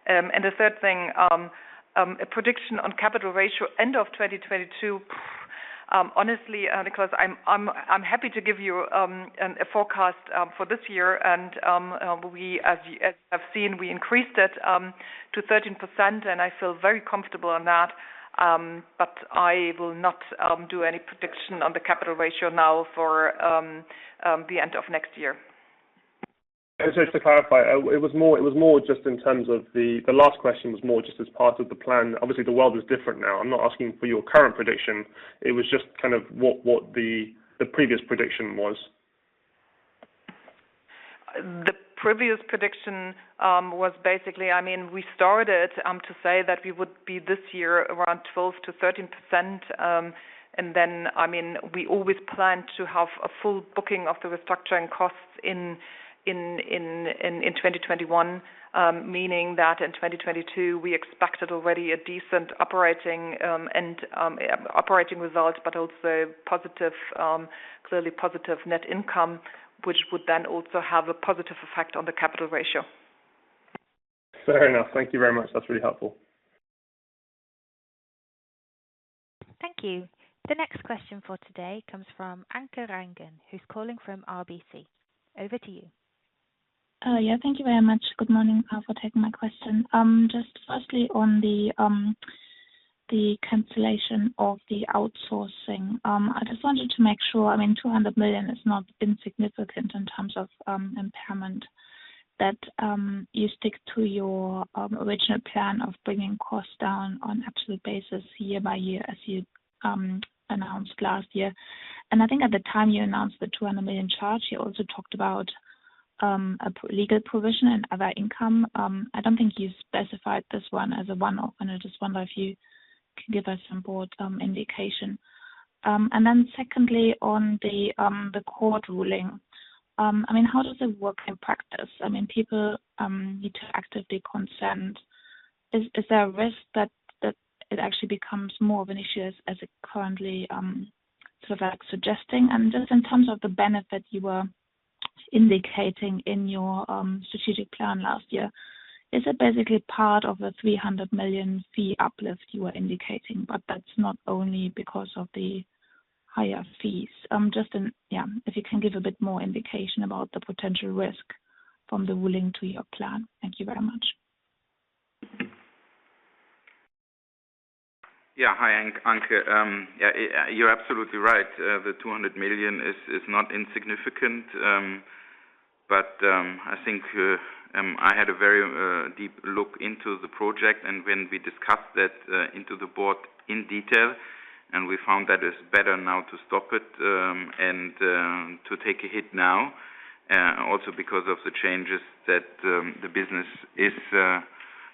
The third thing, a prediction on capital ratio end of 2022. Honestly, Nicholas, I'm happy to give you a forecast for this year and as you have seen, we increased it to 13% and I feel very comfortable on that. I will not do any prediction on the capital ratio now for the end of next year. Just to clarify, the last question was more just as part of the plan. Obviously, the world is different now. I'm not asking for your current prediction. It was just what the previous prediction was. The previous prediction was basically, we started to say that we would be this year around 12%-13%. We always planned to have a full booking of the restructuring costs in 2021, meaning that in 2022 we expected already a decent operating result, but also clearly positive net income, which would then also have a positive effect on the capital ratio. Fair enough. Thank you very much. That's really helpful. Thank you. The next question for today comes from Anke Reingen, who's calling from RBC. Over to you. Thank you very much. Good morning for taking my question. Just firstly on the cancellation of the outsourcing. I just wanted to make sure, 200 million is not insignificant in terms of impairment, that you stick to your original plan of bringing costs down on absolute basis year by year as you announced last year. I think at the time you announced the 200 million charge, you also talked about a legal provision and other income. I don't think you specified this one as a one-off, I just wonder if you can give us some broad indication. Then secondly, on the court ruling. How does it work in practice? People need to actively consent. Is there a risk that it actually becomes more of an issue as it currently suggests? Just in terms of the benefit you were indicating in your strategic plan last year, is it basically part of the 300 million fee uplift you were indicating, but that's not only because of the higher fees? Just if you can give a bit more indication about the potential risk from the ruling to your plan. Thank you very much. Yeah. Hi, Anke. You are absolutely right. The 200 million is not insignificant. I think I had a very deep look into the project and when we discussed that into the board in detail, and we found that it's better now to stop it and to take a hit now, also because of the changes that the business is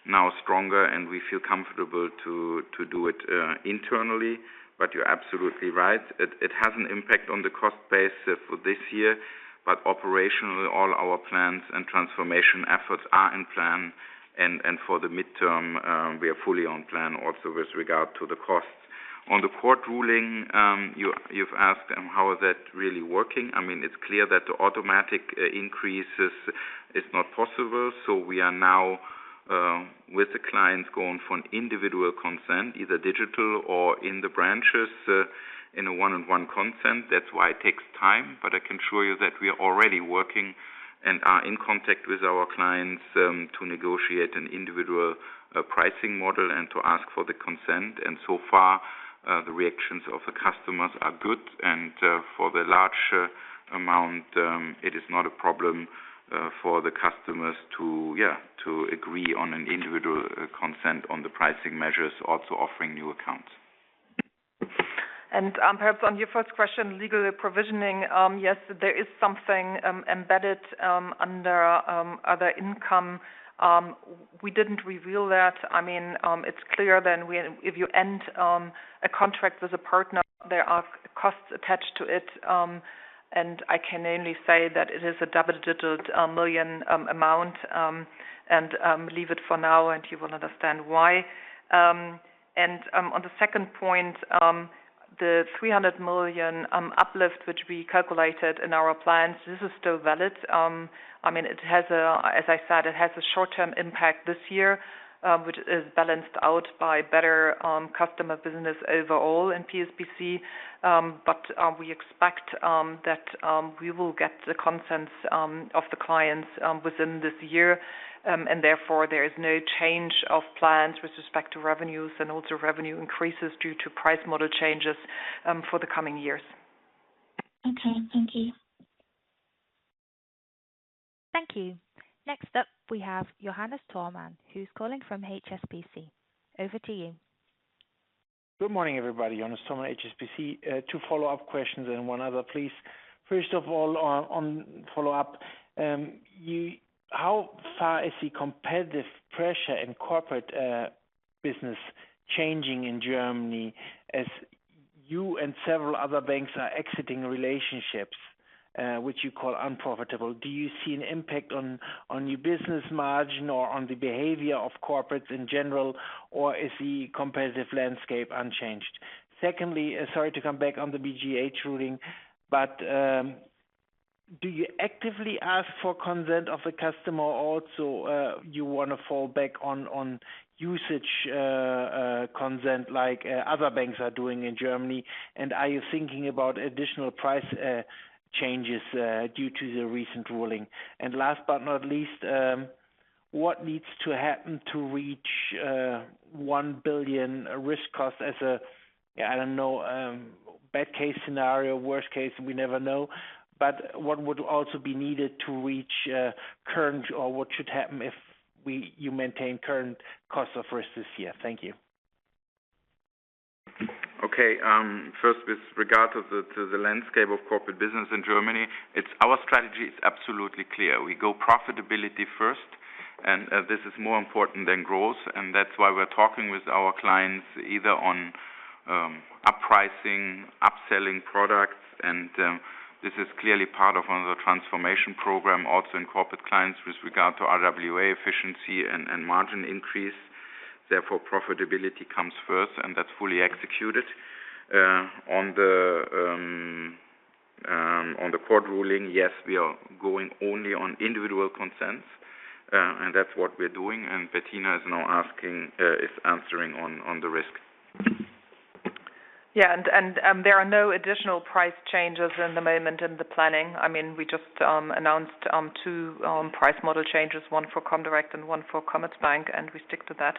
now stronger and we feel comfortable to do it internally. You are absolutely right. It has an impact on the cost base for this year, but operationally, all our plans and transformation efforts are in plan and for the midterm, we are fully on plan also with regard to the costs. On the court ruling, you have asked how is that really working. It's clear that the automatic increases is not possible, so we are now with the clients going for an individual consent, either digital or in the branches in a one-on-one consent. That's why it takes time, but I can assure you that we are already working and are in contact with our clients to negotiate an individual pricing model and to ask for the consent. So far, the reactions of the customers are good. For the large amount, it is not a problem for the customers to agree on an individual consent on the pricing measures, also offering new accounts. Perhaps on your first question, legal provisioning. Yes, there is something embedded under other income. We didn't reveal that. It's clear if you end a contract with a partner, there are costs attached to it. I can only say that it is a double-digit million amount, and leave it for now and you will understand why. On the second point. The 300 million uplift, which we calculated in our plans, this is still valid. As I said, it has a short-term impact this year, which is balanced out by better customer business overall in PSBC. We expect that we will get the consent of the clients within this year, and therefore there is no change of plans with respect to revenues and also revenue increases due to price model changes for the coming years. Okay. Thank you. Thank you. Next up, we have Johannes Thormann, who's calling from HSBC. Over to you. Good morning, everybody. Johannes Thormann, HSBC. Two follow-up questions and one other, please. First of all, on follow-up, how far is the competitive pressure in corporate business changing in Germany as you and several other banks are exiting relationships which you call unprofitable? Do you see an impact on your business margin or on the behavior of corporates in general, or is the competitive landscape unchanged? Secondly, sorry to come back on the BGH ruling, do you actively ask for consent of the customer also you want to fall back on usage consent like other banks are doing in Germany? Are you thinking about additional price changes due to the recent ruling? Last but not least, what needs to happen to reach 1 billion risk cost as a, I don't know, bad case scenario, worst case, we never know. What would also be needed to reach current or what should happen if you maintain current cost of risk this year? Thank you. Okay. First, with regard to the landscape of corporate business in Germany, our strategy is absolutely clear. We go profitability first. This is more important than growth. That's why we're talking with our clients either on up-pricing, up-selling products. This is clearly part of one of the transformation programs also in Corporate Clients with regard to RWA efficiency and margin increase. Therefore, profitability comes first. That's fully executed. On the court ruling, yes, we are going only on individual consents. That's what we're doing. Bettina is now answering on the risk. Yeah, there are no additional price changes in the moment in the planning. We just announced two price model changes, one for Comdirect and one for Commerzbank, and we stick to that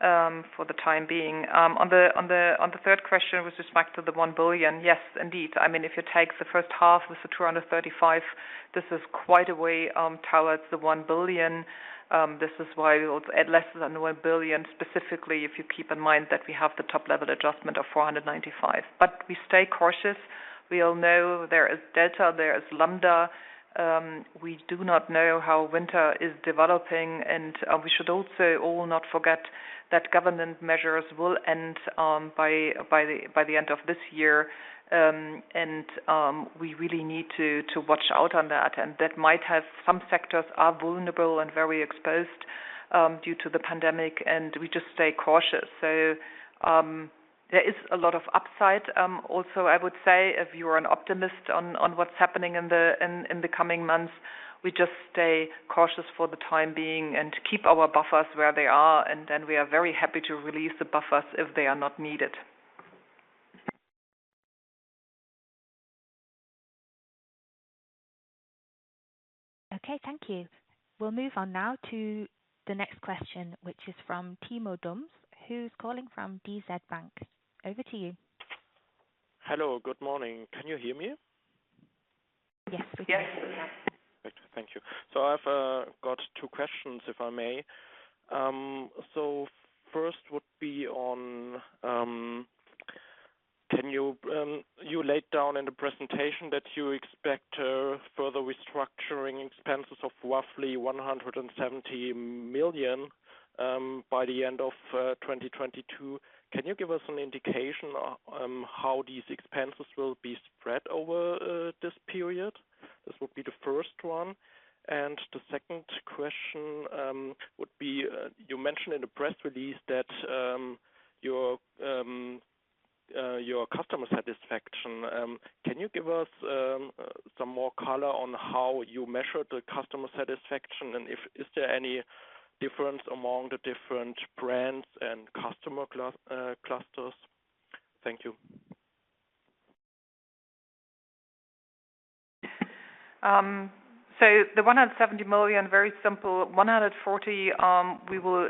for the time being. On the third question with respect to the 1 billion, yes, indeed. If you take the first half with the 235 million, this is quite a way towards the 1 billion. This is why we also add less than 1 billion, specifically if you keep in mind that we have the Top-Level Adjustment of 495 million. We stay cautious. We all know there is Delta, there is Lambda. We do not know how winter is developing, and we should also all not forget that government measures will end by the end of this year, and we really need to watch out on that. That might have some sectors are vulnerable and very exposed due to the pandemic, and we just stay cautious. There is a lot of upsides also, I would say, if you're an optimist on what's happening in the coming months. We just stay cautious for the time being and keep our buffers where they are, and then we are very happy to release the buffers if they are not needed. Okay, thank you. We'll move on now to the next question, which is from Timo Dums, who's calling from DZ Bank. Over to you. Hello. Good morning. Can you hear me? Yes, we can. Yes, we can. Great. Thank you. I've got two questions, if I may. First would be on, you laid down in the presentation that you expect further restructuring expenses of roughly 170 million by the end of 2022. Can you give us an indication on how these expenses will be spread over this period? This would be the first one. The second question would be, you mentioned in the press release your customer satisfaction. Can you give us some more color on how you measure the customer satisfaction, and is there any difference among the different brands and customer clusters? Thank you. The 170 million, very simple, 140 we will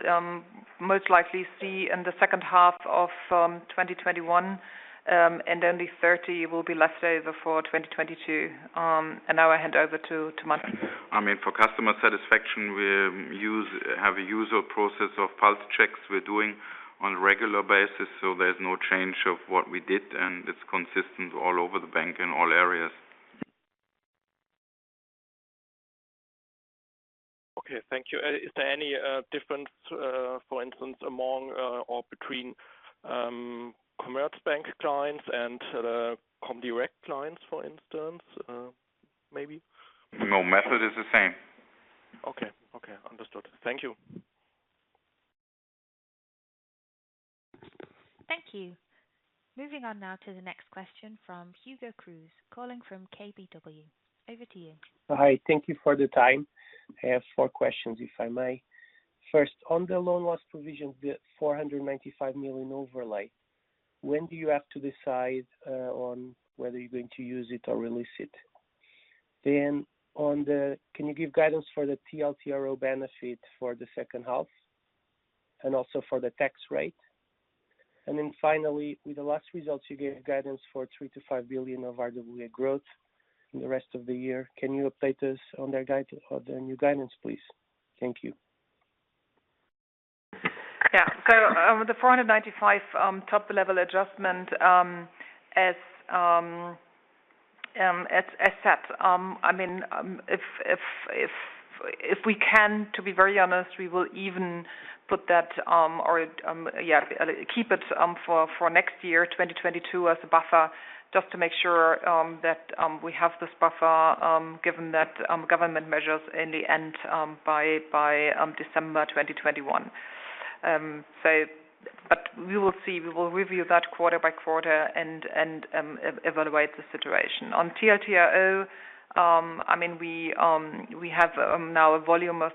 most likely see in the second half of 2021, and only 30 will be left over for 2022. Now I hand over to Manfred. For customer satisfaction, we have a usual process of pulse checks we're doing on a regular basis. There's no change of what we did, and it's consistent all over the bank in all areas. Okay, thank you. Is there any difference, for instance, among or between Commerzbank clients and the Comdirect clients, for instance, maybe? No. Method is the same. Okay. Understood. Thank you. Thank you. Moving on now to the next question from Hugo Cruz, calling from KBW. Over to you. Hi. Thank you for the time. I have four questions, if I may. First, on the loan loss provision, the 495 million overlay, when do you have to decide on whether you're going to use it or release it? Can you give guidance for the TLTRO benefit for the second half and also for the tax rate? Finally, with the last results, you gave guidance for 3 billion-5 billion of RWA growth in the rest of the year. Can you update us on the new guidance, please? Thank you. Yeah. The EUR 495 Top-Level Adjustment as set. If we can, to be very honest, we will even keep it for next year, 2022, as a buffer just to make sure that we have this buffer given that government measures in the end by December 2021. We will see. We will review that quarter by quarter and evaluate the situation. On TLTRO, we have now a volume of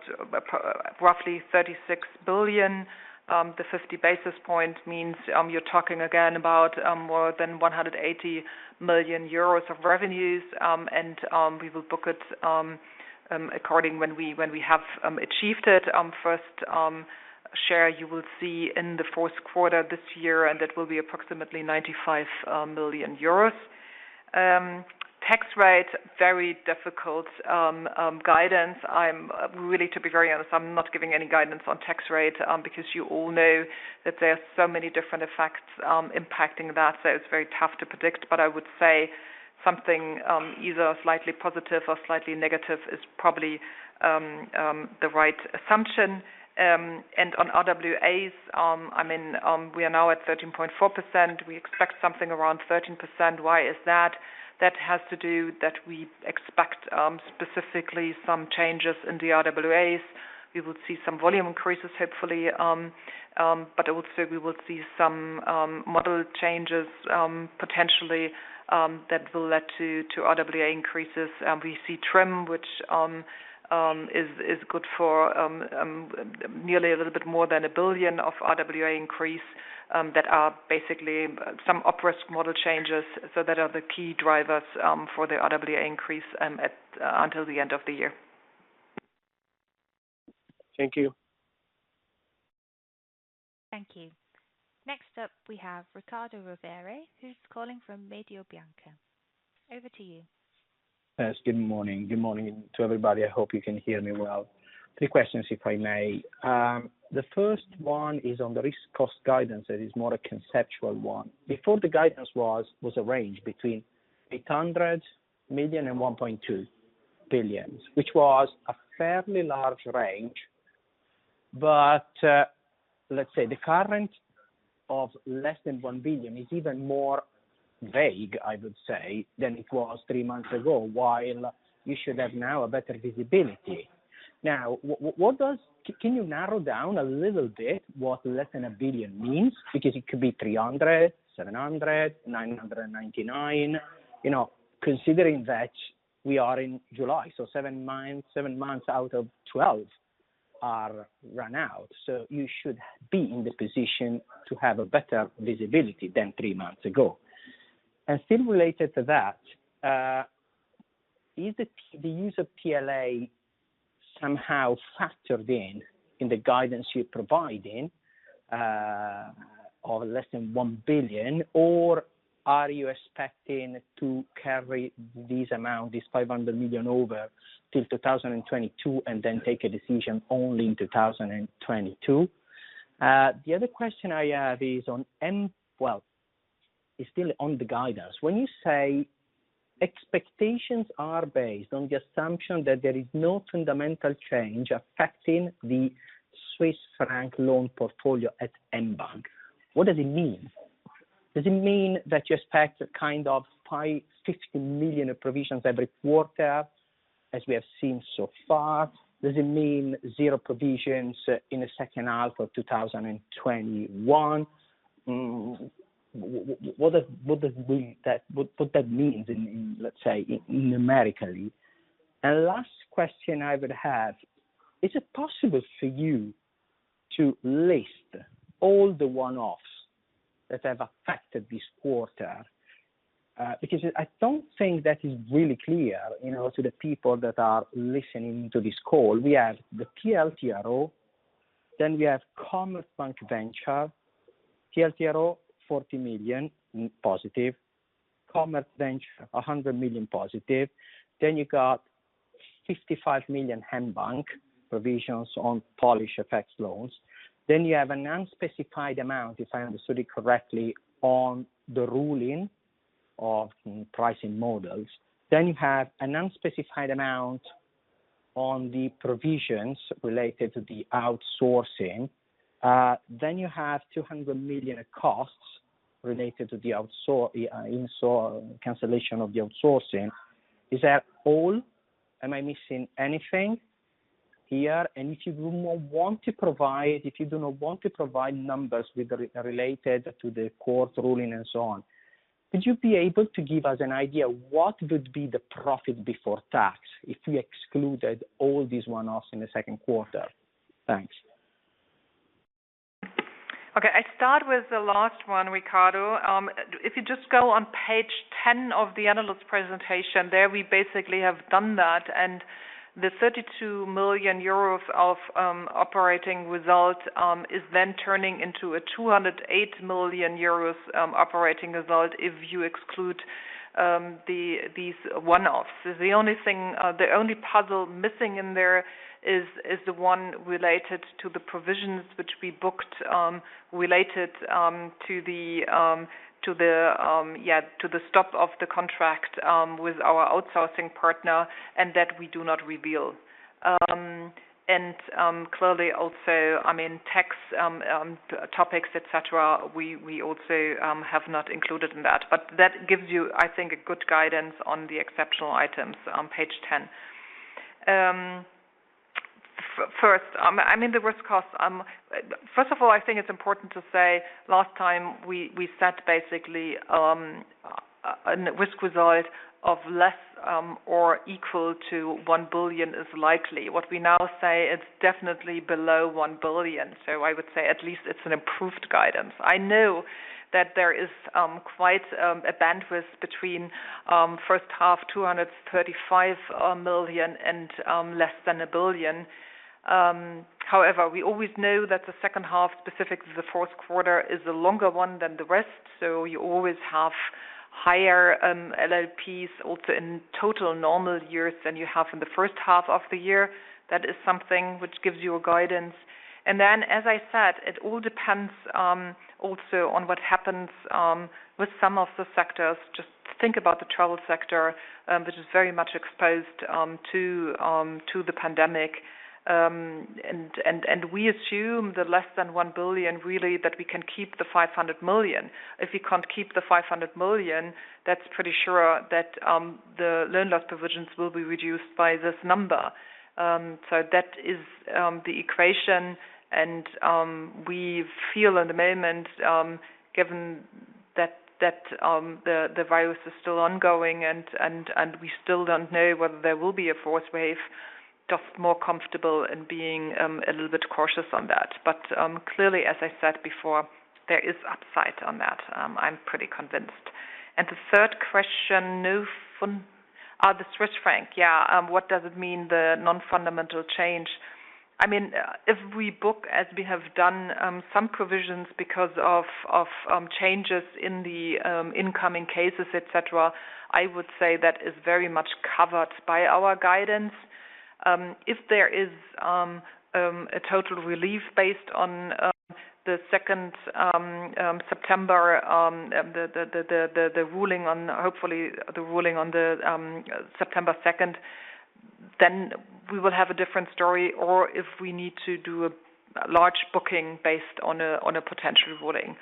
roughly 36 billion. The 50-basis point means you're talking again about more than 180 million euros of revenues, and we will book it according when we have achieved it. First share you will see in the fourth quarter this year, and it will be approximately 95 million euros. Tax rate, very difficult guidance. Really, to be very honest, I am not giving any guidance on tax rate because you all know that there are so many different effects impacting that, so it is very tough to predict. I would say something either slightly positive or slightly negative is probably the right assumption. On RWAs, we are now at 13.4%. We expect something around 13%. Why is that? That has to do that we expect specifically some changes in the RWAs. We will see some volume increases, hopefully, but I would say we will see some model changes, potentially, that will lead to RWA increases. We see TRIM, which is good for nearly a little bit more than 1 billion of RWA increase, that are basically some op risk model changes. That are the key drivers for the RWA increase until the end of the year. Thank you. Thank you. Next up, we have Riccardo Rovere, who's calling from Mediobanca. Over to you. Yes, good morning. Good morning to everybody. I hope you can hear me well. Three questions, if I may. The first one is on the risk cost guidance that is more a conceptual one. Before the guidance was a range between 800 million-1.2 billion, which was a fairly large range. Let's say the current of less than 1 billion is even more vague, I would say, than it was three months ago, while you should have now a better visibility. Can you narrow down a little bit what less than 1 billion means? It could be 300, 700, 999. Considering that we are in July, 7 months out of 12 are run out, you should be in the position to have a better visibility than 3 months ago. Still related to that, is the use of TLA somehow factored in in the guidance you're providing of less than 1 billion, or are you expecting to carry this amount, this 500 million over till 2022, and then take a decision only in 2022? The other question I have is still on the guidance. When you say expectations are based on the assumption that there is no fundamental change affecting the Swiss franc loan portfolio at mBank, what does it mean? Does it mean that you expect kind of 50 million provisions every quarter, as we have seen so far? Does it mean zero provisions in the second half of 2021? What that means, let's say, numerically. Last question I would have, is it possible for you to list all the one-offs that have affected this quarter? I don't think that is really clear to the people that are listening to this call. We have the TLTRO, then we have CommerzVentures. TLTRO, 40 million positive. Commerzbank, 100 million positive. You got 55 million mBank provisions on Polish FX loans. You have an unspecified amount, if I understood it correctly, on the ruling of pricing models. You have an unspecified amount on the provisions related to the outsourcing. You have 200 million costs related to the cancellation of the outsourcing. Is that all? Am I missing anything here? If you do not want to provide numbers related to the court ruling and so on, could you be able to give us an idea what would be the profit before tax if we excluded all these one-offs in the Second Quarter? Thanks. Okay. I start with the last one, Riccardo. If you just go on Page 10 of the analyst presentation, there we basically have done that, and the 32 million euros of operating result is then turning into a 208 million euros operating result if you exclude these one-offs. The only puzzle missing in there is the one related to the provisions which we booked related to the stop of the contract with our outsourcing partner, and that we do not reveal. Clearly also, tax topics, et cetera, we also have not included in that. That gives you, I think, a good guidance on the exceptional items on Page 10. First of all, I think it's important to say last time we set basically a risk result of less or equal to 1 billion is likely. What we now say it's definitely below 1 billion. I would say at least it's an improved guidance. I know that there is quite a bandwidth between first half 235 million and less than 1 billion. We always know that the second half, specifically the fourth quarter, is a longer one than the rest, so you always have higher LLPs also in total normal years than you have in the first half of the year. That is something which gives you a guidance. Then, as I said, it all depends also on what happens with some of the sectors. Just think about the travel sector, which is very much exposed to the pandemic. We assume the less than 1 billion, really, that we can keep the 500 million. If we can't keep the 500 million, that's pretty sure that the loan loss provisions will be reduced by this number. That is the equation, and we feel at the moment given that the virus is still ongoing, and we still don't know whether there will be a fourth wave, just more comfortable in being a little bit cautious on that. Clearly, as I said before, there is upside on that. I'm pretty convinced. The third question. The Swiss franc, yeah. What does it mean, the non-fundamental change? If we book as we have done some provisions because of changes in the incoming cases, et cetera, I would say that is very much covered by our guidance. If there is a total relief based on the 2nd of September, hopefully the ruling on the September 2nd, then we will have a different story, or if we need to do a large booking based on a potential ruling.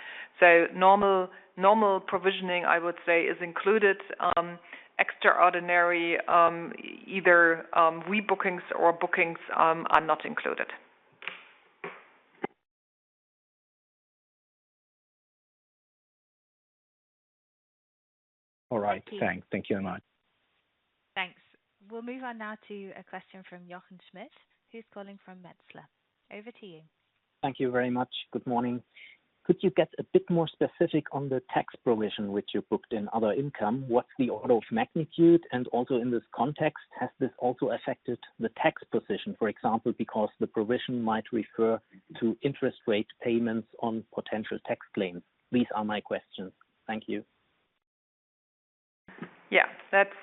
Normal provisioning, I would say, is included. Extraordinary either rebookings or bookings are not included. All right. Thanks. Thank you very much. Thanks. We'll move on now to a question from Jochen Schmitt, who's calling from Metzler. Over to you. Thank you very much. Good morning. Could you get a bit more specific on the tax provision which you booked in other income? What's the order of magnitude? Also in this context, has this also affected the tax position, for example, because the provision might refer to interest rate payments on potential tax claims? These are my questions. Thank you. Yeah. That's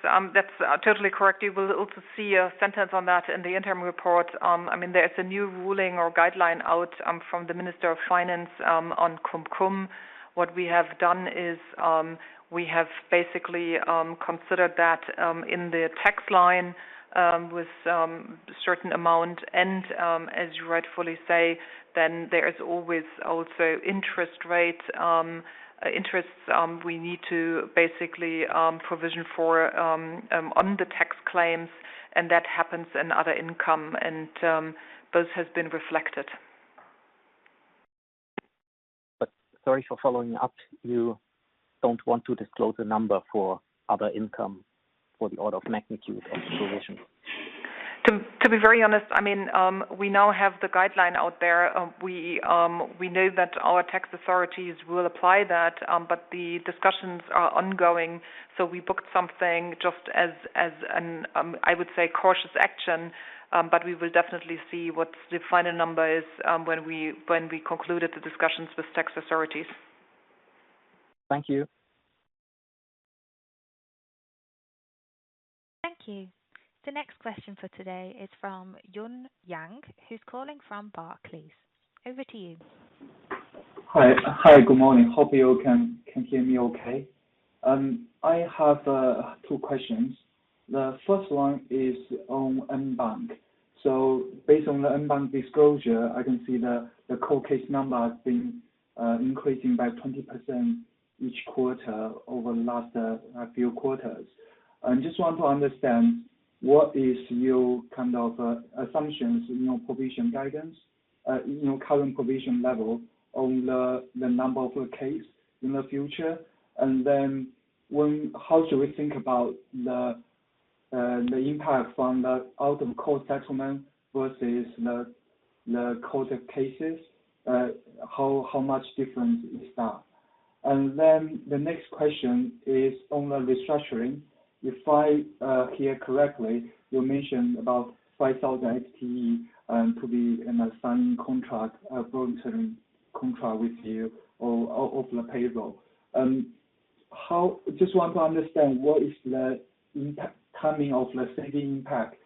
totally correct. You will also see a sentence on that in the interim report. There is a new ruling or guideline out from the Minister of Finance on Cum-cum. What we have done is we have basically considered that in the tax line with certain amount and, as you rightfully say, then there is always also interest rates. Interests we need to basically provision for on the tax claims, and that happens in other income, and those have been reflected. Sorry for following up. You don't want to disclose a number for other income for the order of magnitude of the provision? To be very honest, we now have the guideline out there. We know that our tax authorities will apply that, but the discussions are ongoing, so we booked something just as an, I would say, cautious action. We will definitely see what the final number is when we concluded the discussions with tax authorities. Thank you. Thank you. The next question for today is from Jun Yang, who is calling from Barclays. Over to you. Hi. Good morning. Hope you can hear me okay. I have 2 questions. The first one is on mBank. Based on the mBank disclosure, I can see the court case number has been increasing by 20% each quarter over the last few quarters. I just want to understand what is your assumptions in your provision guidance, current provision level on the number of the case in the future? How should we think about the impact from the out-of-court settlement versus the court cases? How much difference is that? The next question is on the restructuring. If I hear correctly, you mentioned about 5,000 FTE to be in a signing contract, a volunteering contract with you off the payroll. Just want to understand what is the timing of the saving impact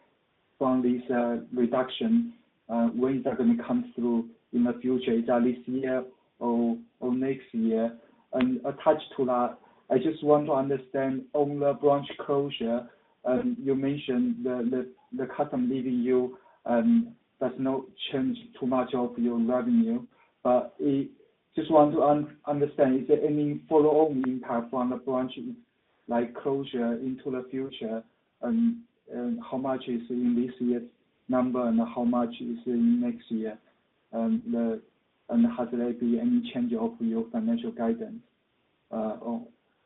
from this reduction. When is that going to come through in the future? Is that this year or next year? Attached to that, I just want to understand on the branch closure, you mentioned the customer leaving you does not change too much of your revenue. Just want to understand, is there any follow-on impact from the branch closure into the future? How much is in this year's number and how much is in next year? Has there be any change of your financial guidance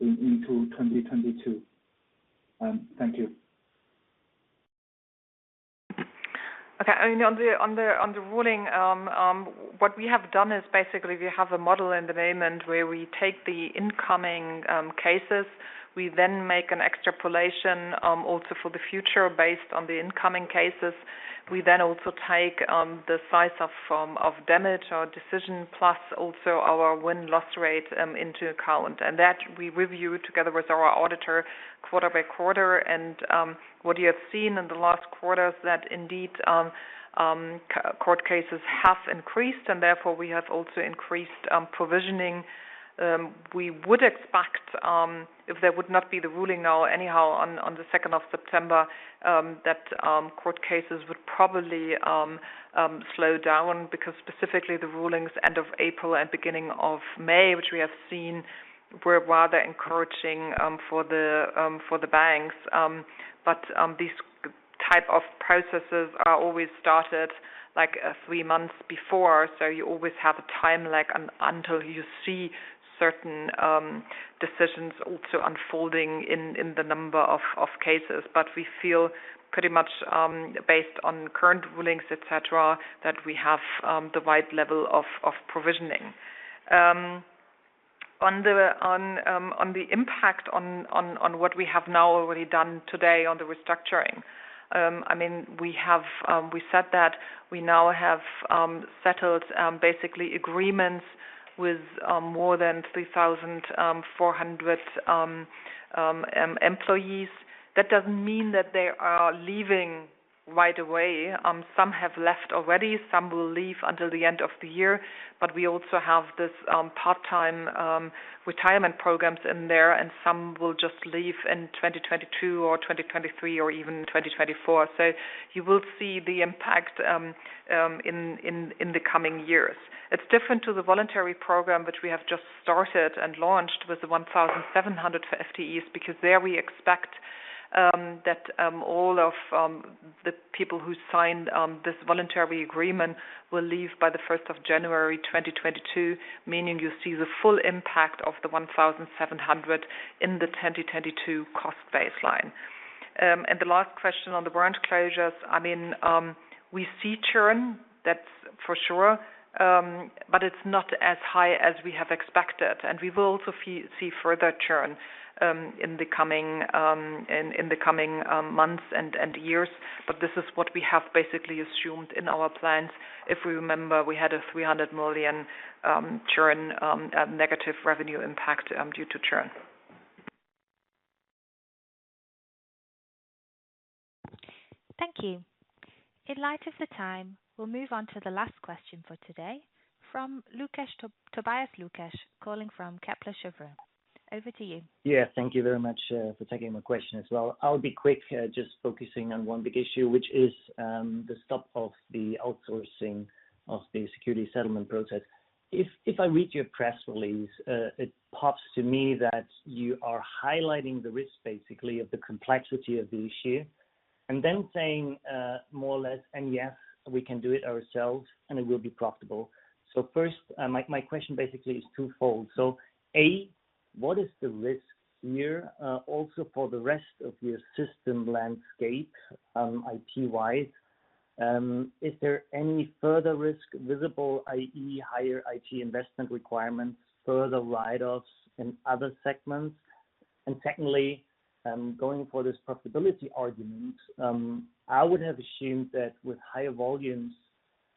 into 2022? Thank you. Okay. On the ruling, what we have done is basically we have a model at the moment where we take the incoming cases. We make an extrapolation also for the future based on the incoming cases. We also take the size of damage or decision, plus also our win-loss rate into account. That we review together with our auditor quarter by quarter. What you have seen in the last quarters that indeed court cases have increased, and therefore we have also increased provisioning. We would expect if there would not be the ruling now anyhow on the 2nd of September, that court cases would probably slow down because specifically the rulings end of April and beginning of May, which we have seen were rather encouraging for the banks. These type of processes are always started three months before, you always have a time lag until you see certain decisions also unfolding in the number of cases. We feel pretty much based on current rulings, et cetera, that we have the right level of provisioning. On the impact on what we have now already done today on the restructuring. We said that we now have settled basically agreements with more than 3,400 employees. That doesn't mean that they are leaving right away. Some have left already, some will leave until the end of the year. We also have this part-time retirement programs in there, and some will just leave in 2022 or 2023 or even 2024. You will see the impact in the coming years. It's different to the voluntary program, which we have just started and launched with the 1,700 FTEs, because there we expect that all of the people who signed this voluntary agreement will leave by the 1st of January 2022, meaning you see the full impact of the 1,700 in the 2022 cost baseline. The last question on the branch closures, we see churn, that's for sure. It's not as high as we have expected. We will also see further churn in the coming months and years. This is what we have basically assumed in our plans. If we remember, we had a 300 million churn negative revenue impact due to churn. Thank you. In light of the time, we'll move on to the last question for today from Tobias Lukesch, calling from Kepler Cheuvreux. Over to you. Yeah. Thank you very much for taking my question as well. I'll be quick, just focusing on one big issue, which is the stop of the outsourcing of the security settlement process. If I read your press release, it pops to me that you are highlighting the risk basically of the complexity of the issue and then saying more or less, and yes, we can do it ourselves and it will be profitable. First, my question basically is twofold. A, what is the risk here also for the rest of your system landscape IT-wise? Is there any further risk visible, i.e., higher IT investment requirements, further write-offs in other segments? Secondly, going for this profitability argument, I would have assumed that with higher volumes,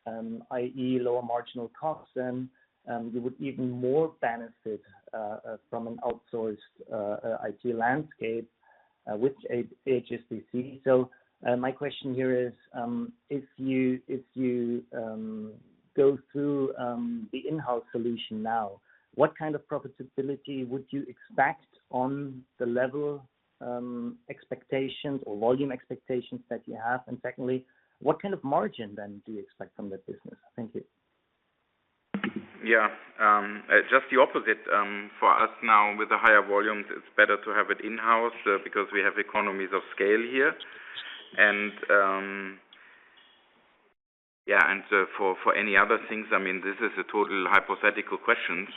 i.e., lower marginal costs, then you would even more benefit from an outsourced IT landscape. With HSBC. My question here is, if you go through the in-house solution now, what kind of profitability would you expect on the level expectations or volume expectations that you have? Secondly, what kind of margin then do you expect from that business? Thank you. Yeah. Just the opposite. For us now, with the higher volumes, it's better to have it in-house because we have economies of scale here. For any other things, this is a total hypothetical question.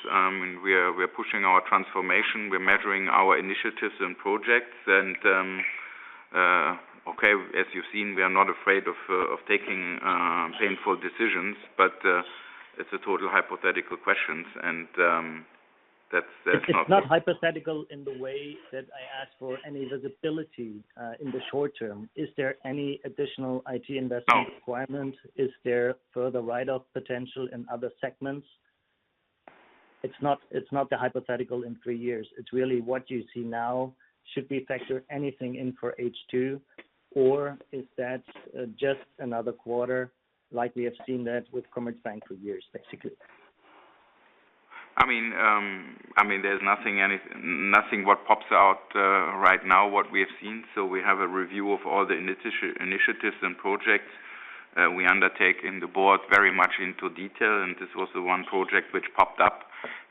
We're pushing our transformation. We're measuring our initiatives and projects and, okay, as you've seen, we are not afraid of taking painful decisions. It's not hypothetical in the way that I ask for any visibility in the short term. Is there any additional IT investment requirement? Is there further write-off potential in other segments? It's not the hypothetical in three years. It's really what you see now. Should we factor anything in for H2, or is that just another quarter like we have seen that with Commerzbank for years, basically? There's nothing what pops out right now what we have seen. We have a review of all the initiatives and projects we undertake in the board very much into detail. This was the one project which popped up.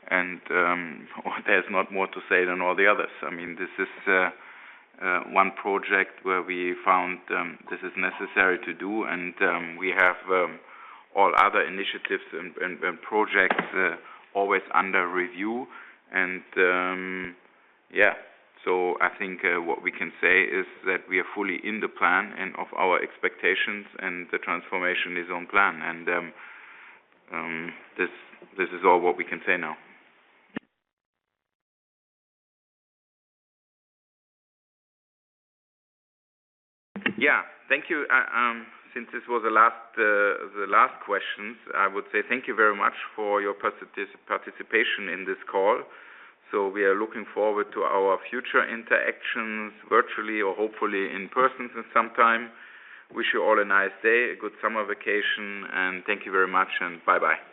There's not more to say than all the others. This is one project where we found this is necessary to do, and we have all other initiatives and projects always under review. I think what we can say is that we are fully in the plan and of our expectations and the transformation is on plan. This is all what we can say now. Thank you. Since this was the last question, I would say thank you very much for your participation in this call. We are looking forward to our future interactions virtually or hopefully in person sometime. Wish you all a nice day, a good summer vacation, and thank you very much, and bye-bye.